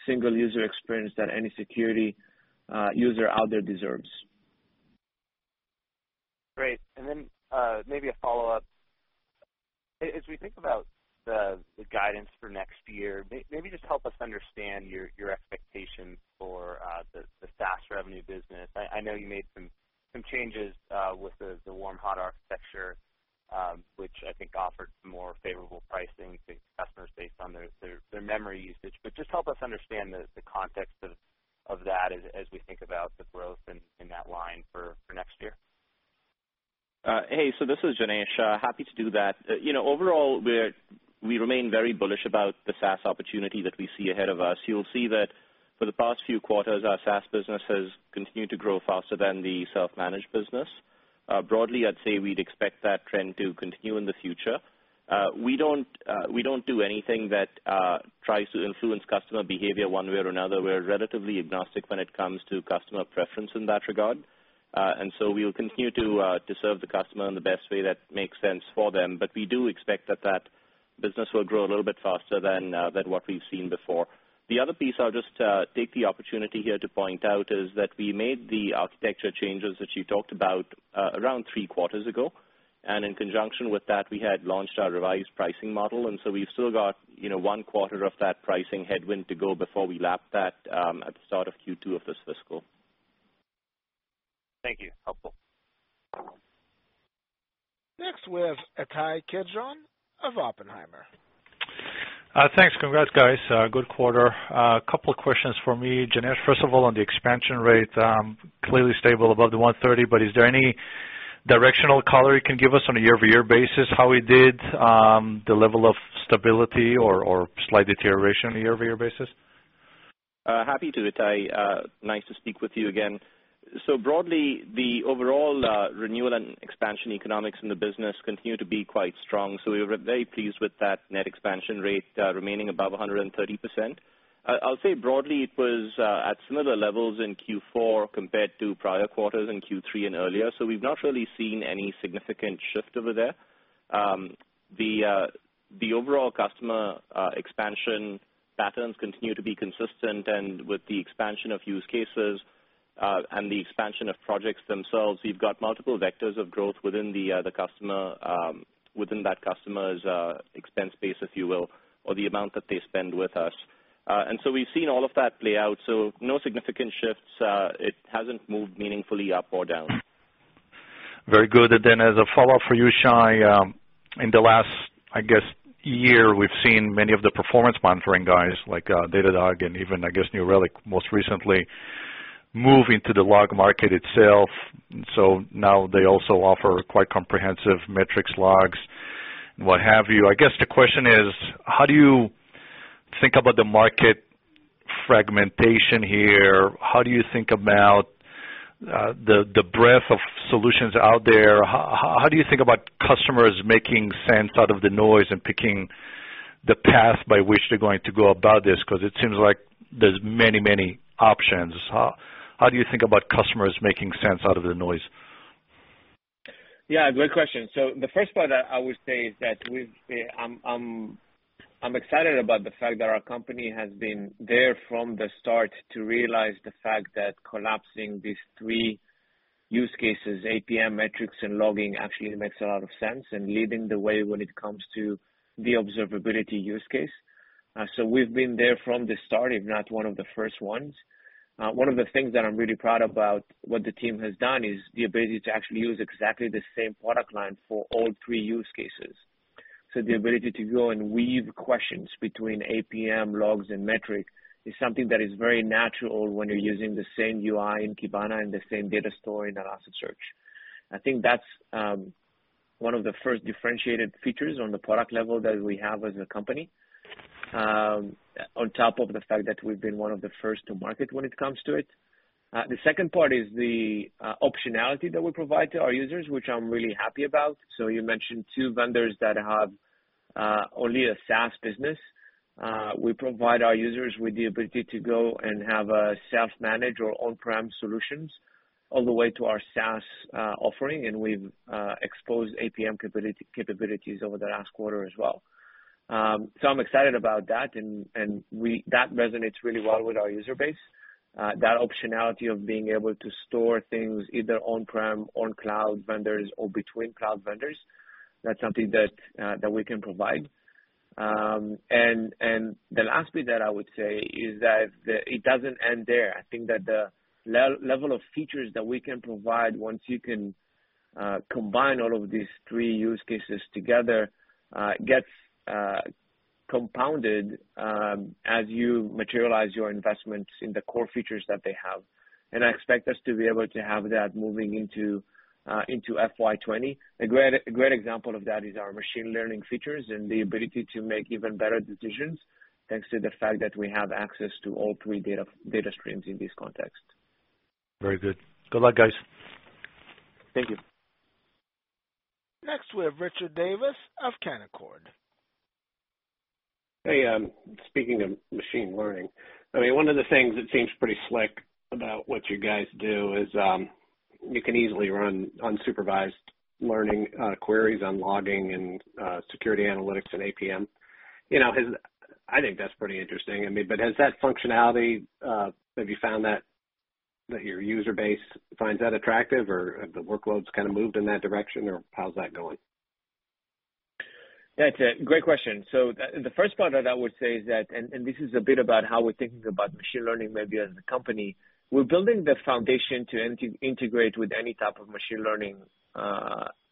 single user experience that any security user out there deserves? maybe a follow-up. As we think about the guidance for next year, maybe just help us understand your expectations for the SaaS revenue business. I know you made some changes with the hot-warm architecture, which I think offered more favorable pricing to customers based on their memory usage. Just help us understand the context of that as we think about the growth in that line for next year. This is Janesh. Happy to do that. Overall, we remain very bullish about the SaaS opportunity that we see ahead of us. You'll see that for the past few quarters, our SaaS business has continued to grow faster than the self-managed business. Broadly, I'd say we'd expect that trend to continue in the future. We don't do anything that tries to influence customer behavior one way or another. We're relatively agnostic when it comes to customer preference in that regard. We will continue to serve the customer in the best way that makes sense for them. We do expect that business will grow a little bit faster than what we've seen before. The other piece I'll just take the opportunity here to point out is that we made the architecture changes that you talked about around three quarters ago, and in conjunction with that, we had launched our revised pricing model. We've still got one quarter of that pricing headwind to go before we lap that at the start of Q2 of this fiscal. Thank you. Helpful. Next, we have Ittai Kidron of Oppenheimer. Thanks. Congrats, guys. Good quarter. A couple of questions for me. Janesh, first of all, on the expansion rate, clearly stable above the 130, is there any directional color you can give us on a year-over-year basis how we did, the level of stability or slight deterioration on a year-over-year basis? Happy to, Ittai. Nice to speak with you again. Broadly, the overall renewal and expansion economics in the business continue to be quite strong. We're very pleased with that net expansion rate remaining above 130%. I'll say broadly it was at similar levels in Q4 compared to prior quarters in Q3 and earlier. We've not really seen any significant shift over there. The overall customer expansion patterns continue to be consistent. With the expansion of use cases, and the expansion of projects themselves, we've got multiple vectors of growth within that customer's expense base, if you will, or the amount that they spend with us. We've seen all of that play out, no significant shifts. It hasn't moved meaningfully up or down. Very good. As a follow-up for you, Shay, in the last, I guess, year, we've seen many of the performance monitoring guys like Datadog and even, I guess, New Relic most recently, move into the log market itself. Now they also offer quite comprehensive metrics logs and what have you. The question is, how do you think about the market fragmentation here? How do you think about the breadth of solutions out there? How do you think about customers making sense out of the noise and picking the path by which they're going to go about this? Because it seems like there's many options. How do you think about customers making sense out of the noise? Yeah, great question. The first part I would say is that I'm excited about the fact that our company has been there from the start to realize the fact that collapsing these three use cases, APM, metrics, and logging, actually makes a lot of sense, and leading the way when it comes to the observability use case. We've been there from the start, if not one of the first ones. One of the things that I'm really proud about what the team has done is the ability to actually use exactly the same product line for all three use cases. The ability to go and weave questions between APM, logs, and metrics is something that is very natural when you're using the same UI in Kibana and the same data store in Elasticsearch. I think that's one of the first differentiated features on the product level that we have as a company, on top of the fact that we've been one of the first to market when it comes to it. The second part is the optionality that we provide to our users, which I'm really happy about. You mentioned two vendors that have only a SaaS business. We provide our users with the ability to go and have a self-managed or on-prem solutions all the way to our SaaS offering, and we've exposed APM capabilities over the last quarter as well. I'm excited about that, and that resonates really well with our user base. That optionality of being able to store things either on-prem, on cloud vendors, or between cloud vendors, that's something that we can provide. The last bit that I would say is that it doesn't end there. I think that the level of features that we can provide once you can combine all of these three use cases together, gets compounded as you materialize your investments in the core features that they have. I expect us to be able to have that moving into FY 2020. A great example of that is our machine learning features and the ability to make even better decisions, thanks to the fact that we have access to all three data streams in this context. Very good. Good luck, guys. Thank you. Next, we have Richard Davis of Canaccord. Hey, speaking of machine learning, one of the things that seems pretty slick about what you guys do is, you can easily run unsupervised learning queries on logging and security analytics and APM. I think that's pretty interesting. Has that functionality, have you found that your user base finds that attractive, or have the workloads kind of moved in that direction, or how's that going? That's a great question. The first part that I would say is that, and this is a bit about how we're thinking about machine learning, maybe as a company, we're building the foundation to integrate with any type of machine learning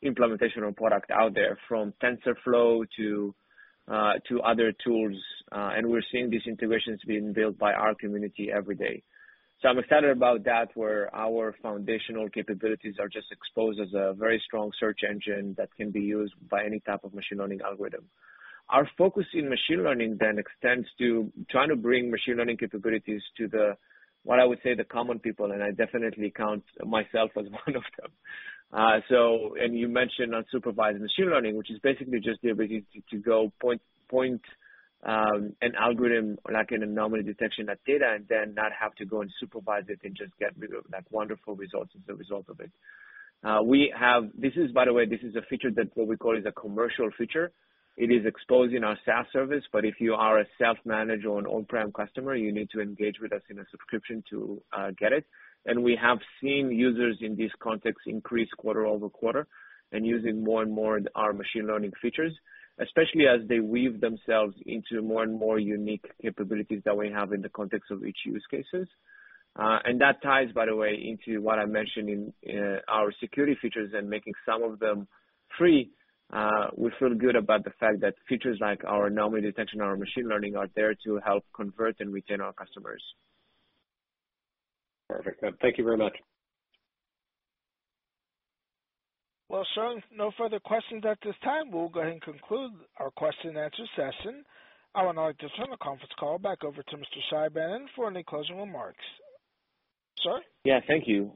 implementation or product out there, from TensorFlow to other tools. We're seeing these integrations being built by our community every day. I'm excited about that, where our foundational capabilities are just exposed as a very strong search engine that can be used by any type of machine learning algorithm. Our focus in machine learning then extends to trying to bring machine learning capabilities to the, what I would say, the common people, and I definitely count myself as one of them. You mentioned unsupervised machine learning, which is basically just the ability to go point an algorithm, like an anomaly detection at data, and then not have to go and supervise it and just get rid of that wonderful results as a result of it. By the way, this is a feature that what we call is a commercial feature. It is exposed in our SaaS service, but if you are a self-managed or an on-prem customer, you need to engage with us in a subscription to get it. We have seen users in this context increase quarter-over-quarter and using more and more our machine learning features, especially as they weave themselves into more and more unique capabilities that we have in the context of each use cases. That ties, by the way, into what I mentioned in our security features and making some of them free. We feel good about the fact that features like our anomaly detection and our machine learning are there to help convert and retain our customers. Perfect. Thank you very much. Well, sir, no further questions at this time. We'll go ahead and conclude our question and answer session. I will now like to turn the conference call back over to Mr. Shay Banon for any closing remarks. Sir? Yeah. Thank you.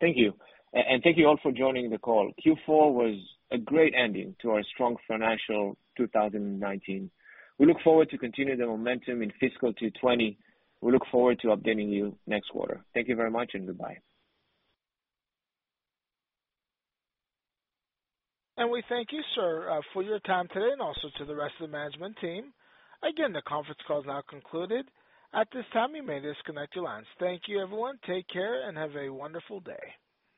Thank you all for joining the call. Q4 was a great ending to our strong financial 2019. We look forward to continuing the momentum in fiscal 2020. We look forward to updating you next quarter. Thank you very much, and goodbye. We thank you, sir, for your time today and also to the rest of the management team. Again, the conference call is now concluded. At this time, you may disconnect your lines. Thank you, everyone. Take care and have a wonderful day.